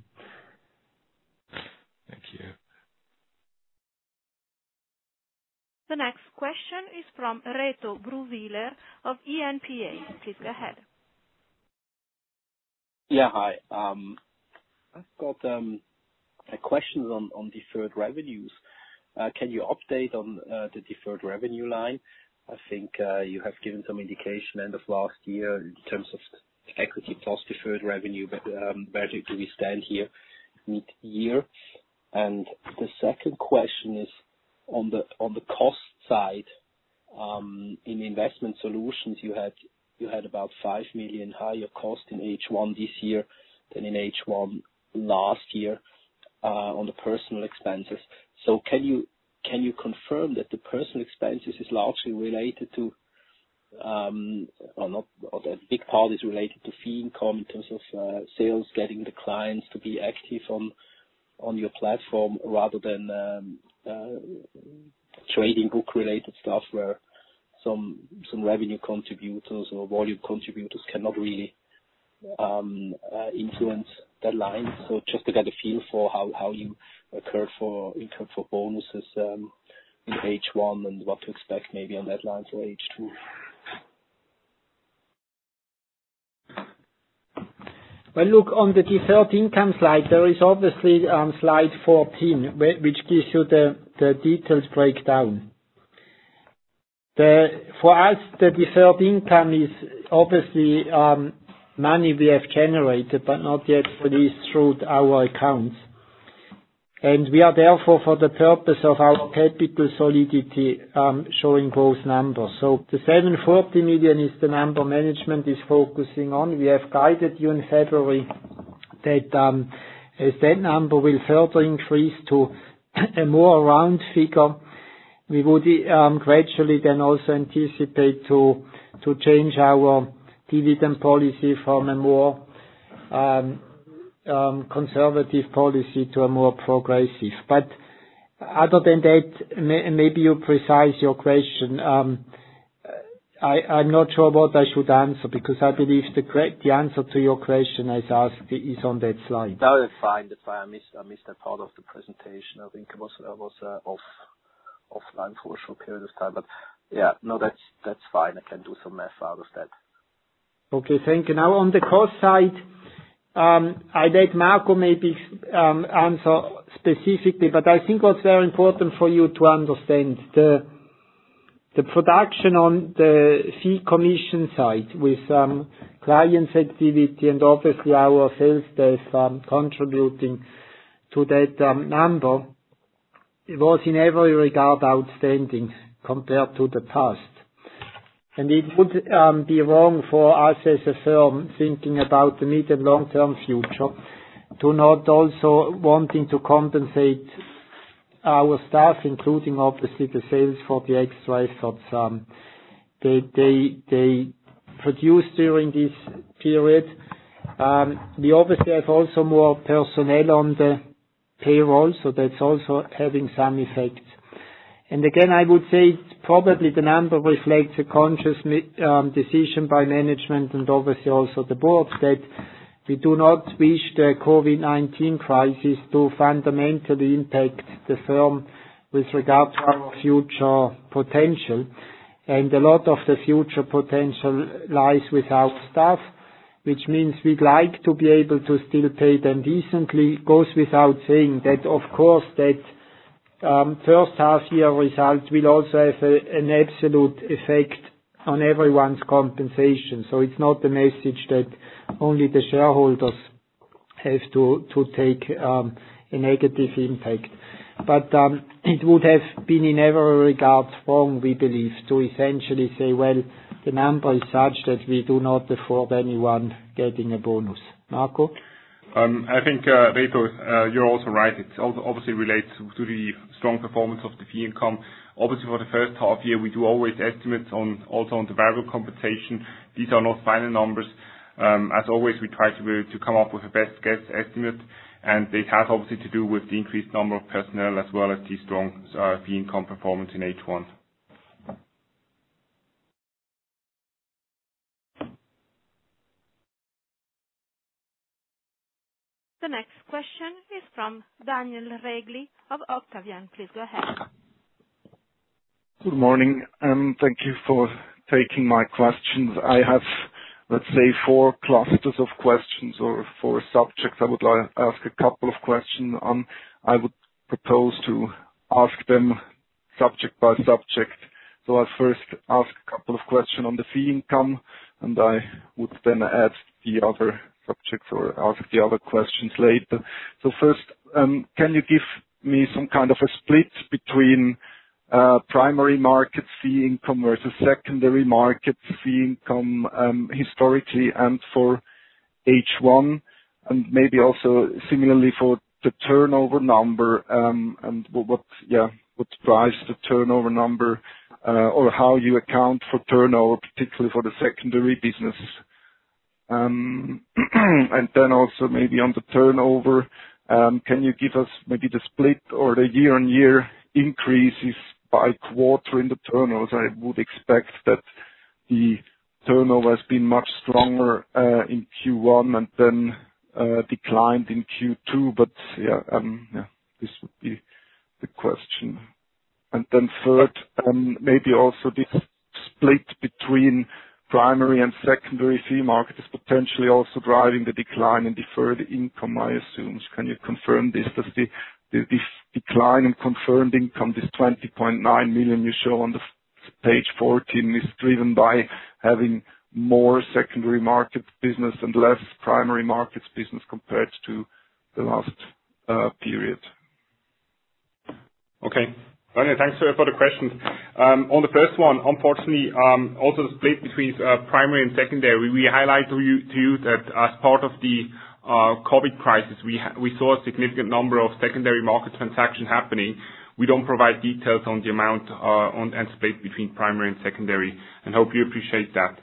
Thank you. The next question is from Reto Brühwiler of ENPA. Please go ahead. Hi. I've got a question on deferred revenues. Can you update on the deferred revenue line? I think you have given some indication end of last year in terms of equity plus deferred revenue, where do we stand here mid-year? The second question is on the cost side. In investment solutions, you had about 5 million higher cost in H1 this year than in H1 last year on the personal expenses. Can you confirm that the personal expenses is largely related to or a big part is related to fee income in terms of sales, getting the clients to be active on your platform rather than trading book-related stuff where some revenue contributors or volume contributors cannot really influence that line? Just to get a feel for how you occur for income for bonuses in H1 and what to expect maybe on that line for H2. Well, look, on the deferred income slide, there is obviously slide 14, which gives you the details breakdown. For us, the deferred income is obviously money we have generated but not yet released through our accounts. We are therefore, for the purpose of our capital solidity, showing growth numbers. The 740 million is the number management is focusing on. We have guided you in February that, as that number will further increase to a more round figure. We would gradually then also anticipate to change our dividend policy from a more conservative policy to a more progressive. Other than that, maybe you precise your question. I'm not sure what I should answer because I believe the answer to your question as asked is on that slide. No, fine. I missed that part of the presentation. I think I was offline for a short period of time. Yeah, no, that's fine. I can do some math out of that. Okay. Thank you. On the cost side, I let Marco maybe answer specifically, but I think what's very important for you to understand the production on the fee commission side with clients' activity and obviously our sales desk contributing to that number, it was in every regard outstanding compared to the past. It would be wrong for us as a firm thinking about the mid- and long-term future to not also wanting to compensate our staff, including obviously the sales for the extra efforts they produced during this period. We obviously have also more personnel on the payroll, so that's also having some effect. Again, I would say probably the number reflects a conscious decision by management and obviously also the board that we do not wish the COVID-19 crisis to fundamentally impact the firm with regard to our future potential. A lot of the future potential lies with our staff, which means we'd like to be able to still pay them decently. It goes without saying that, of course, first half-year results will also have an absolute effect on everyone's compensation. It's not the message that only the shareholders has to take a negative impact. It would have been in every regard wrong, we believe, to essentially say, well, the number is such that we do not afford anyone getting a bonus. Marco? I think, Reto, you're also right. It obviously relates to the strong performance of the fee income. Obviously, for the first half year, we do always estimate also on the variable compensation. These are not final numbers. As always, we try to come up with the best guess estimate. That has obviously to do with the increased number of personnel as well as the strong fee income performance in H1. The next question is from Daniel Regli of Octavian. Please go ahead. Good morning, and thank you for taking my questions. I have, let's say, four clusters of questions or four subjects I would like to ask a couple of questions on. I would propose to ask them subject by subject. I'll first ask a couple of questions on the fee income, and I would then ask the other questions later. First, can you give me some kind of a split between primary market fee income versus secondary market fee income, historically and for H1, and maybe also similarly for the turnover number, and what drives the turnover number? Or how you account for turnover, particularly for the secondary business. Then also maybe on the turnover, can you give us maybe the split or the year-on-year increases by quarter in the turnover? I would expect that the turnover has been much stronger in Q1 and then declined in Q2. Yeah, this would be the question. Third, maybe also the split between primary and secondary fee market is potentially also driving the decline in deferred income, I assume. Can you confirm this? Does this decline in deferred income, this 20.9 million you show on page 14, is driven by having more secondary market business and less primary markets business compared to the last period. Okay. Thanks for the questions. On the first one, unfortunately, also the split between primary and secondary, we highlight to you that as part of the COVID crisis, we saw a significant number of secondary market transactions happening. We don't provide details on the amount, and split between primary and secondary and hope you appreciate that.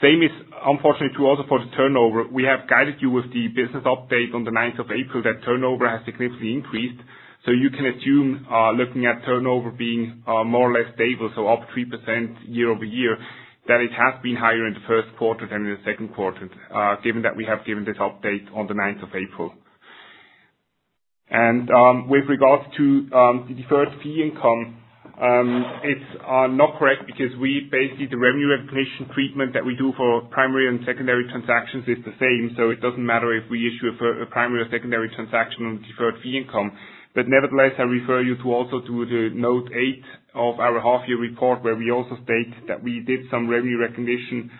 Same is unfortunately true also for the turnover. We have guided you with the business update on the 9th of April that turnover has significantly increased. You can assume, looking at turnover being more or less stable, up 3% year-over-year, that it has been higher in the first quarter than in the second quarter, given that we have given this update on the 9th of April. With regards to the deferred fee income, it's not correct because we basically the revenue recognition treatment that we do for primary and secondary transactions is the same. It doesn't matter if we issue a primary or secondary transaction on deferred fee income. Nevertheless, I refer you to also to the note eight of our half year report, where we also state that we did some revenue recognition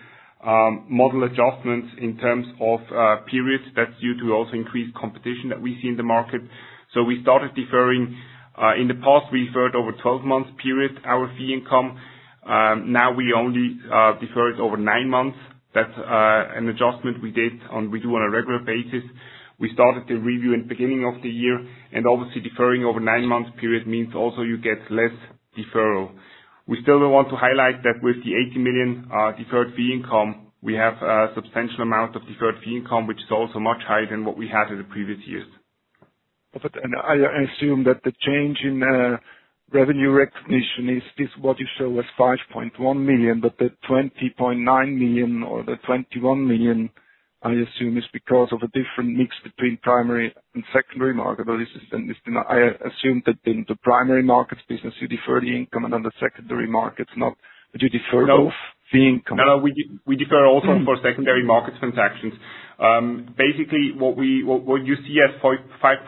model adjustments in terms of periods that, due to also increased competition that we see in the market. We started deferring. In the past, we deferred over 12 months period our fee income. Now we only defer it over nine months. That's an adjustment we do on a regular basis. We started the review in beginning of the year. Obviously, deferring over nine months period means also you get less deferral. We still want to highlight that with the 80 million deferred fee income, we have a substantial amount of deferred fee income, which is also much higher than what we had in the previous years. I assume that the change in revenue recognition is what you show as 5.1 million, but the 20.9 million or the 21 million, I assume, is because of a different mix between primary and secondary market. I assume that in the primary markets business, you defer the income and on the secondary markets not. Do you defer both fee income? No, we defer also for secondary markets transactions. Basically, what you see as 5.1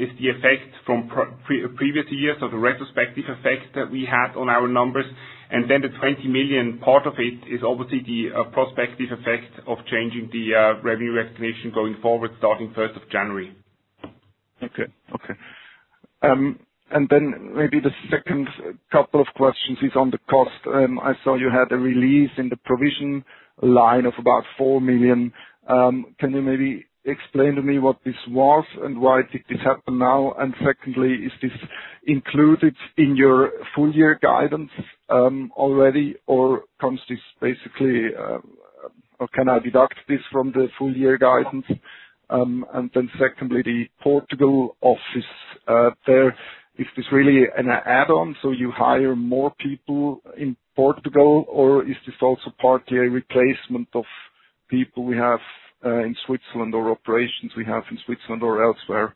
is the effect from previous years, so the retrospective effect that we had on our numbers. The 20 million, part of it is obviously the prospective effect of changing the revenue recognition going forward starting 1st of January. Okay. Maybe the second couple of questions is on the cost. I saw you had a release in the provision line of about 4 million. Can you maybe explain to me what this was and why did this happen now? Secondly, is this included in your full year guidance already or can I deduct this from the full year guidance? Secondly, the Portugal office. Is this really an add-on, so you hire more people in Portugal, or is this also partly a replacement of people we have in Switzerland or operations we have in Switzerland or elsewhere? Okay.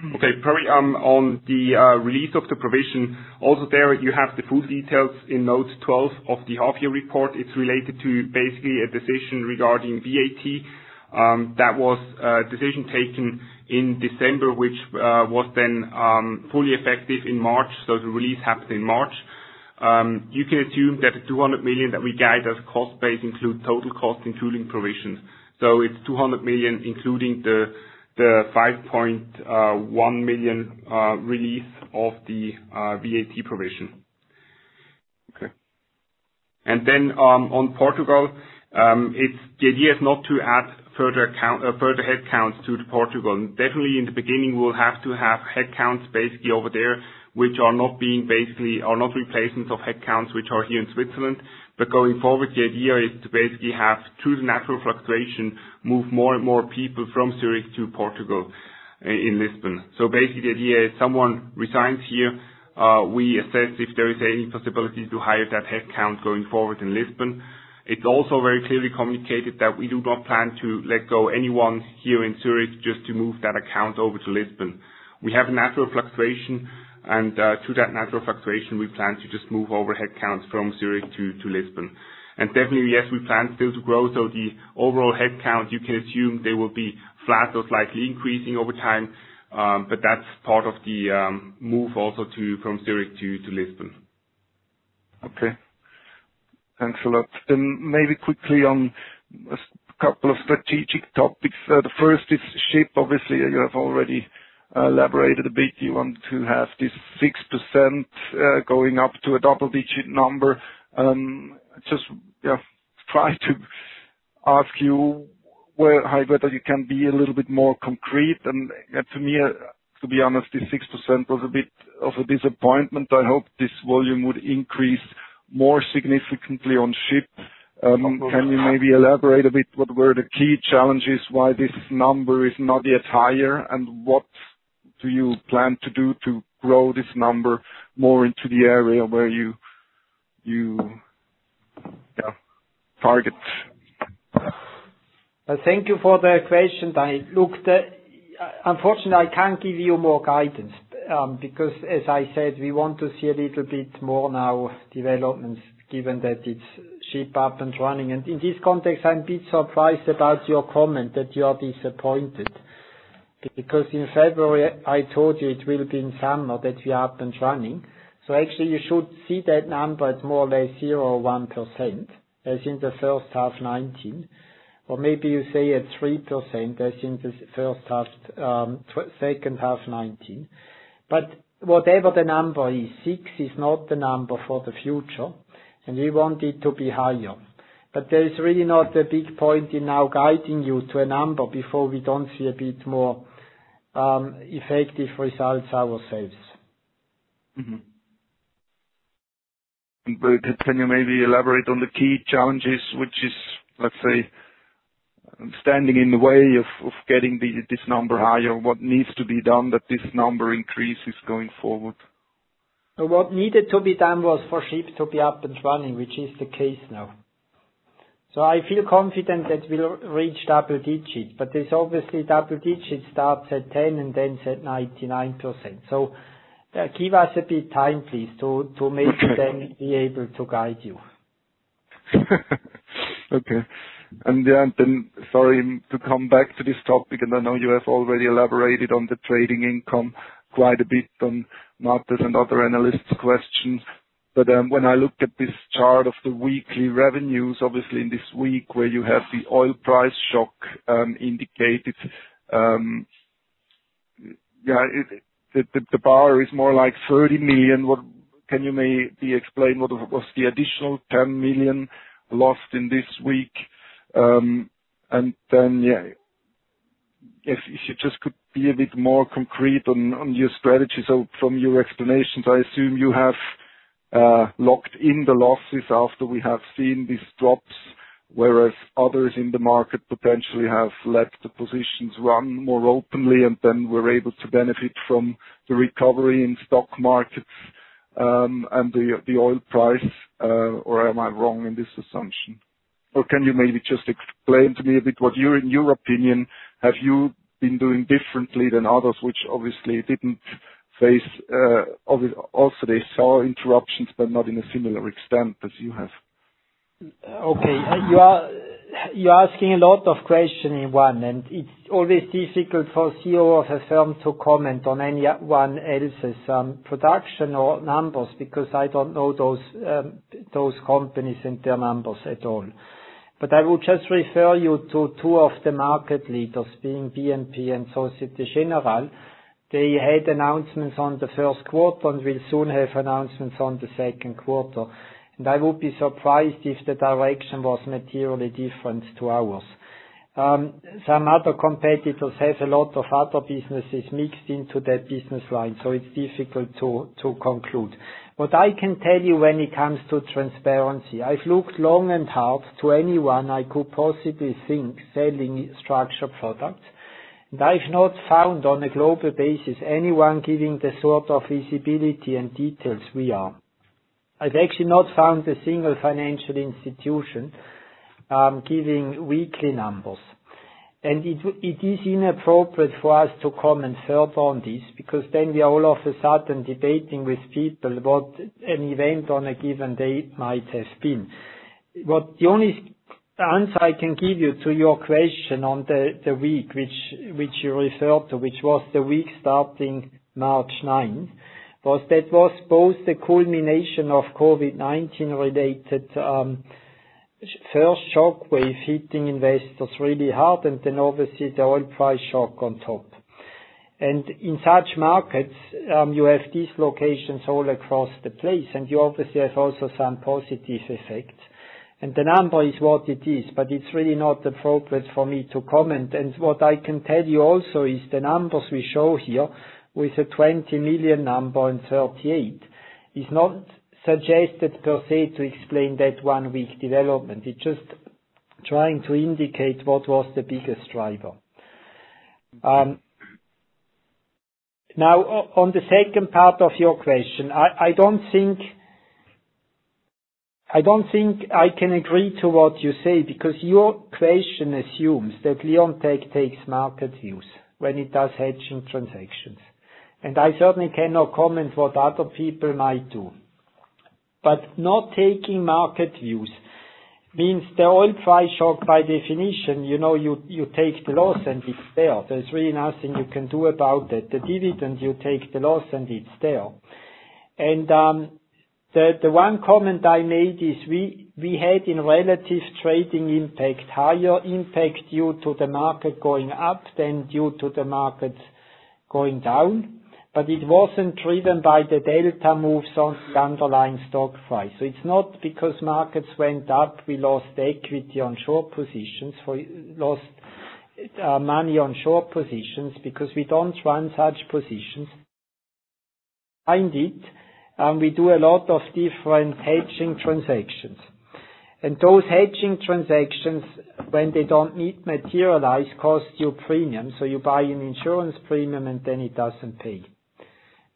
On the release of the provision, also there you have the full details in note 12 of the half year report. It's related to basically a decision regarding VAT. That was a decision taken in December, which was then fully effective in March, so the release happened in March. You can assume that the 200 million that we guide as cost base includes total cost, including provisions. It's 200 million, including the 5.1 million release of the VAT provision. Okay. Then on Portugal, the idea is not to add further headcounts to Portugal. Definitely in the beginning, we'll have to have headcounts basically over there, which are not replacements of headcounts which are here in Switzerland. Going forward, the idea is to basically have, through the natural fluctuation, move more and more people from Zurich to Portugal in Lisbon. Basically, the idea is someone resigns here, we assess if there is any possibility to hire that headcount going forward in Lisbon. It's also very clearly communicated that we do not plan to let go anyone here in Zurich just to move that headcount over to Lisbon. We have natural fluctuation, and through that natural fluctuation, we plan to just move over headcounts from Zurich to Lisbon. Definitely, yes, we plan still to grow. The overall head count, you can assume they will be flat or slightly increasing over time. That's part of the move also from Zurich to Lisbon. Okay. Thanks a lot. Maybe quickly on a couple of strategic topics. The first is SHIP. Obviously, you have already elaborated a bit. You want to have this 6% going up to a double-digit number. Just try to ask you whether you can be a little bit more concrete. To me, to be honest, this 6% was a bit of a disappointment. I hoped this volume would increase more significantly on SHIP. Can you maybe elaborate a bit what were the key challenges, why this number is not yet higher, and what do you plan to do to grow this number more into the area where you target? Thank you for that question. Unfortunately, I can't give you more guidance, because as I said, we want to see a little bit more now developments given that it's SHIP up and running. In this context, I'm a bit surprised about your comment that you are disappointed. In February, I told you it will be in summer that we are up and running. Actually, you should see that number at more or less zero or 1%, as in the first half 2019. Maybe you say at 3%, as in the second half 2019. Whatever the number is, six is not the number for the future, and we want it to be higher. There is really not a big point in now guiding you to a number before we don't see a bit more effective results ourselves. Mm-hmm. Can you maybe elaborate on the key challenges, which is, let's say, standing in the way of getting this number higher? What needs to be done that this number increases going forward? What needed to be done was for SHIP to be up and running, which is the case now. I feel confident that we'll reach double digits, but obviously double digits starts at 10 and ends at 99%. Give us a bit of time, please, to maybe then be able to guide you. Okay. Sorry to come back to this topic, and I know you have already elaborated on the trading income quite a bit on Máté and other analysts' questions. When I looked at this chart of the weekly revenues, obviously in this week where you have the oil price shock indicated, the bar is more like 30 million. Can you maybe explain what was the additional 10 million lost in this week? If you just could be a bit more concrete on your strategy. From your explanations, I assume you have locked in the losses after we have seen these drops, whereas others in the market potentially have let the positions run more openly and then were able to benefit from the recovery in stock markets, and the oil price. Am I wrong in this assumption? Can you maybe just explain to me a bit what, in your opinion, have you been doing differently than others, which obviously also they saw interruptions, but not in a similar extent as you have? Okay. You're asking a lot of question in one. It's always difficult for a CEO of a firm to comment on anyone else's production or numbers, because I don't know those companies and their numbers at all. I would just refer you to two of the market leaders, being BNP and Société Générale. They had announcements on the first quarter and will soon have announcements on the second quarter. I would be surprised if the direction was materially different to ours. Some other competitors have a lot of other businesses mixed into that business line. It's difficult to conclude. What I can tell you when it comes to transparency, I've looked long and hard to anyone I could possibly think selling structured products. I've not found on a global basis anyone giving the sort of visibility and details we are. I've actually not found a single financial institution giving weekly numbers. It is inappropriate for us to comment further on this, because then we are all of a sudden debating with people what an event on a given date might have been. The only answer I can give you to your question on the week which you referred to, which was the week starting March 9th, was that was both the culmination of COVID-19-related first shockwave hitting investors really hard, and then obviously the oil price shock on top. In such markets, you have dislocations all across the place, and you obviously have also some positive effects. The number is what it is, but it's really not appropriate for me to comment. What I can tell you also is the numbers we show here with a 20 million number and 38 is not suggested per se to explain that one week development. It's just trying to indicate what was the biggest driver. On the second part of your question, I don't think I can agree to what you say because your question assumes that Leonteq takes market views when it does hedging transactions. I certainly cannot comment what other people might do. Not taking market views means the oil price shock by definition, you take the loss and it's there. There's really nothing you can do about it. The dividends, you take the loss and it's there. The one comment I made is we had in relative trading impact, higher impact due to the market going up than due to the markets going down. It wasn't driven by the delta moves on the underlying stock price. It's not because markets went up, we lost equity on short positions. We lost money on short positions because we don't run such positions. We do a lot of different hedging transactions. Those hedging transactions, when they don't materialize, costs you a premium, so you buy an insurance premium and then it doesn't pay.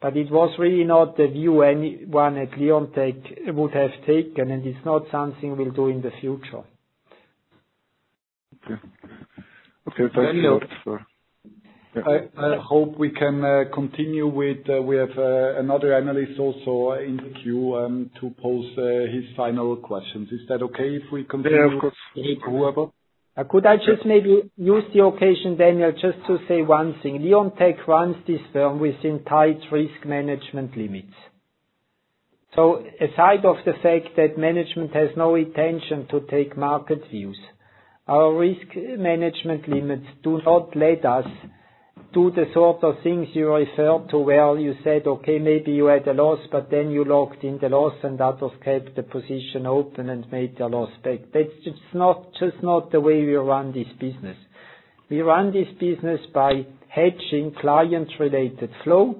It was really not the view anyone at Leonteq would have taken, and it's not something we'll do in the future. Okay. Thank you. I hope we can continue. We have another analyst also in the queue to pose his final questions. Is that okay if we continue? Yeah, of course. Okay. Go ahead. Could I just maybe use the occasion, Daniel, just to say one thing. Leonteq runs this firm within tight risk management limits. Aside of the fact that management has no intention to take market views, our risk management limits do not let us do the sort of things you referred to where you said, okay, maybe you had a loss, but then you locked in the loss and kept the position open and made the loss back. That's just not the way we run this business. We run this business by hedging client-related flow.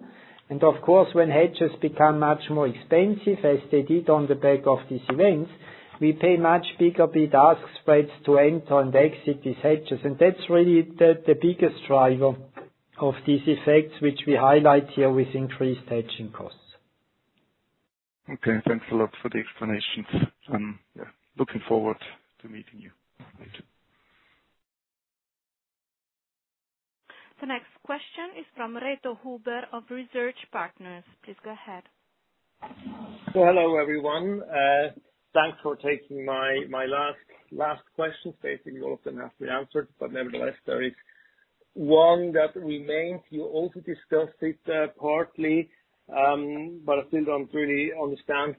Of course, when hedges become much more expensive, as they did on the back of these events, we pay much bigger bid-ask spreads to enter and exit these hedges. That's really the biggest driver of these effects, which we highlight here with increased hedging costs. Okay, thanks a lot for the explanations. I'm looking forward to meeting you. Me too. The next question is from Reto Huber of Research Partners. Please go ahead. Hello, everyone. Thanks for taking my last question. Basically, all of them have been answered, but nevertheless, there is one that remains. You also discussed it partly, but I still don't really understand.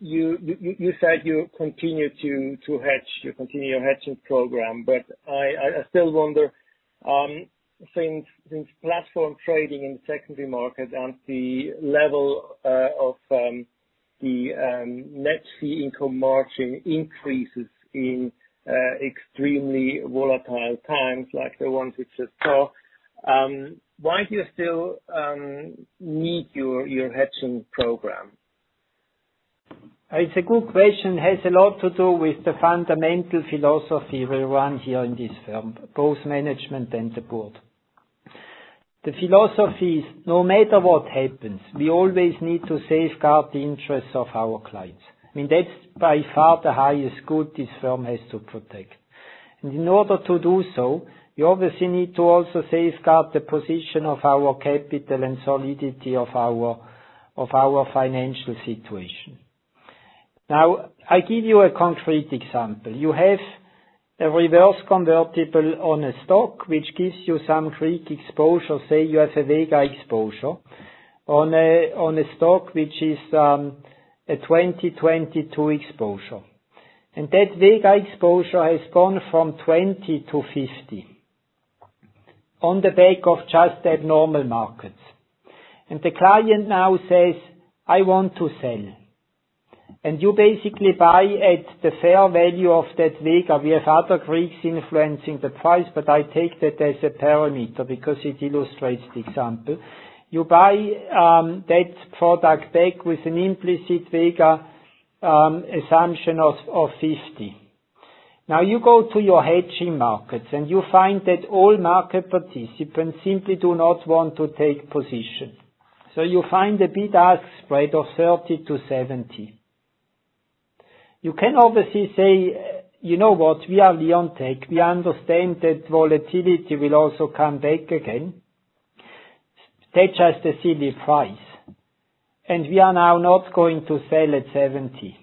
You said you continue to hedge, you continue your hedging program. I still wonder since platform trading in the secondary market and the level of the net fee income margin increases in extremely volatile times like the one we just saw, why do you still need your hedging program? It's a good question. It has a lot to do with the fundamental philosophy we run here in this firm, both management and the board. The philosophy is no matter what happens, we always need to safeguard the interests of our clients. I mean, that's by far the highest good this firm has to protect. In order to do so, we obviously need to also safeguard the position of our capital and solidity of our financial situation. Now, I give you a concrete example. You have a reverse convertible on a stock, which gives you some Greek exposure. Say you have a Vega exposure on a stock which is a 2022 exposure. That Vega exposure has gone from 20 to 50 on the back of just abnormal markets. The client now says, "I want to sell." You basically buy at the fair value of that Vega. We have other Greeks influencing the price. I take that as a parameter because it illustrates the example. You buy that product back with an implicit Vega assumption of 50. You go to your hedging markets, you find that all market participants simply do not want to take position. You find a bid-ask spread of 30 to 70. You can obviously say, "You know what? We are Leonteq. We understand that volatility will also come back again. That's just a silly price. We are now not going to sell at 70."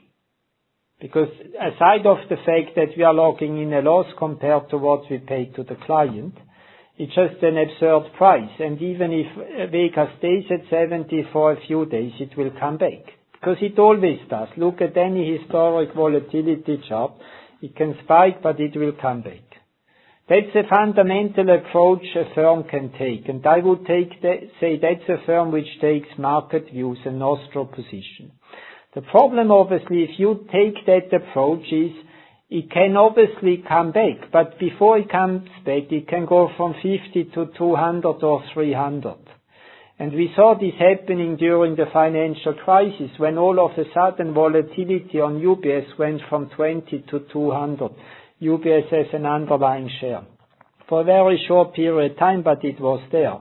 Aside of the fact that we are locking in a loss compared to what we paid to the client, it's just an absurd price. Even if Vega stays at 70 for a few days, it will come back because it always does. Look at any historic volatility chart, it can spike, but it will come back. That's a fundamental approach a firm can take. I would say that's a firm which takes market views and neutral position. The problem, obviously, if you take that approach is it can obviously come back, but before it comes back, it can go from 50 to 200 or 300. We saw this happening during the financial crisis when all of a sudden volatility on UBS went from 20 to 200. UBS has an underlying share. For a very short period of time, but it was there.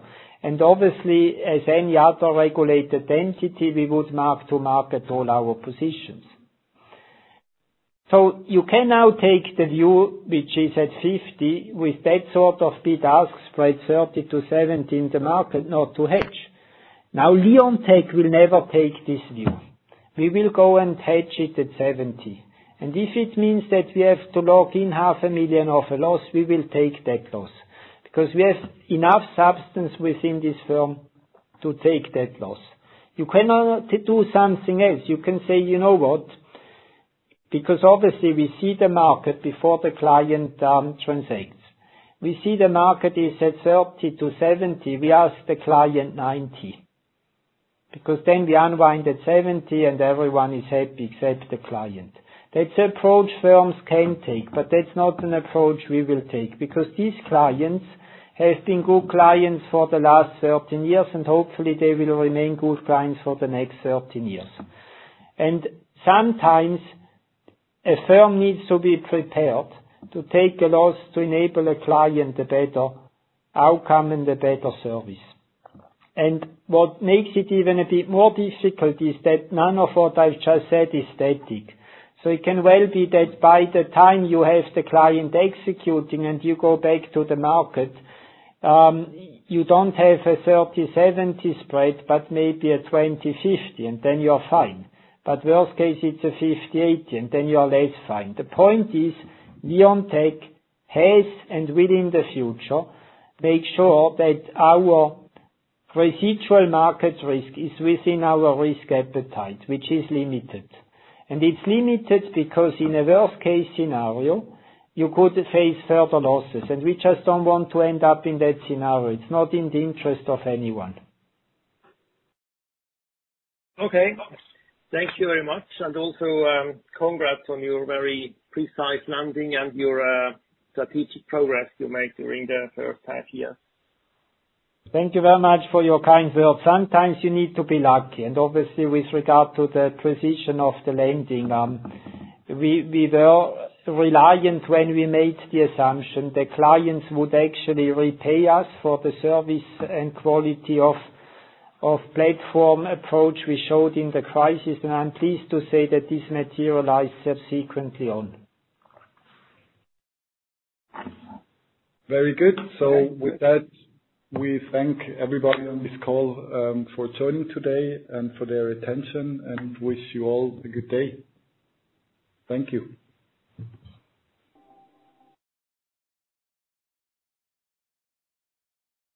Obviously, as any other regulated entity, we would mark to market all our positions. You can now take the view, which is at 50, with that sort of bid-ask spread 30 to 70 in the market, now to hedge. Now, Leonteq will never take this view. We will go and hedge it at 70. If it means that we have to lock in half a million CHF of a loss, we will take that loss. We have enough substance within this firm to take that loss. You can now do something else. You can say, "You know what?" Obviously, we see the market before the client transacts. We see the market is at 30 to 70, we ask the client 90. Then we unwind at 70, and everyone is happy except the client. That's the approach firms can take, but that's not an approach we will take. These clients have been good clients for the last 30 years, and hopefully they will remain good clients for the next 30 years. Sometimes a firm needs to be prepared to take a loss to enable a client a better outcome and a better service. What makes it even a bit more difficult is that none of what I've just said is static. It can well be that by the time you have the client executing and you go back to the market, you don't have a 30/70 spread, but maybe a 20/50, and then you're fine. Worst case, it's a 50/80, and then you are less fine. The point is, Leonteq has, and will in the future, make sure that our procedural market risk is within our risk appetite, which is limited. It's limited because in a worst case scenario, you could face further losses. We just don't want to end up in that scenario. It's not in the interest of anyone. Okay. Thank you very much. Also, congrats on your very precise landing and your strategic progress you made during the past year. Thank you very much for your kind words. Sometimes you need to be lucky, obviously, with regard to the precision of the landing, we were reliant when we made the assumption the clients would actually repay us for the service and quality of platform approach we showed in the crisis. I'm pleased to say that this materialized subsequently. Very good. With that, we thank everybody on this call for joining today and for their attention, and wish you all a good day. Thank you.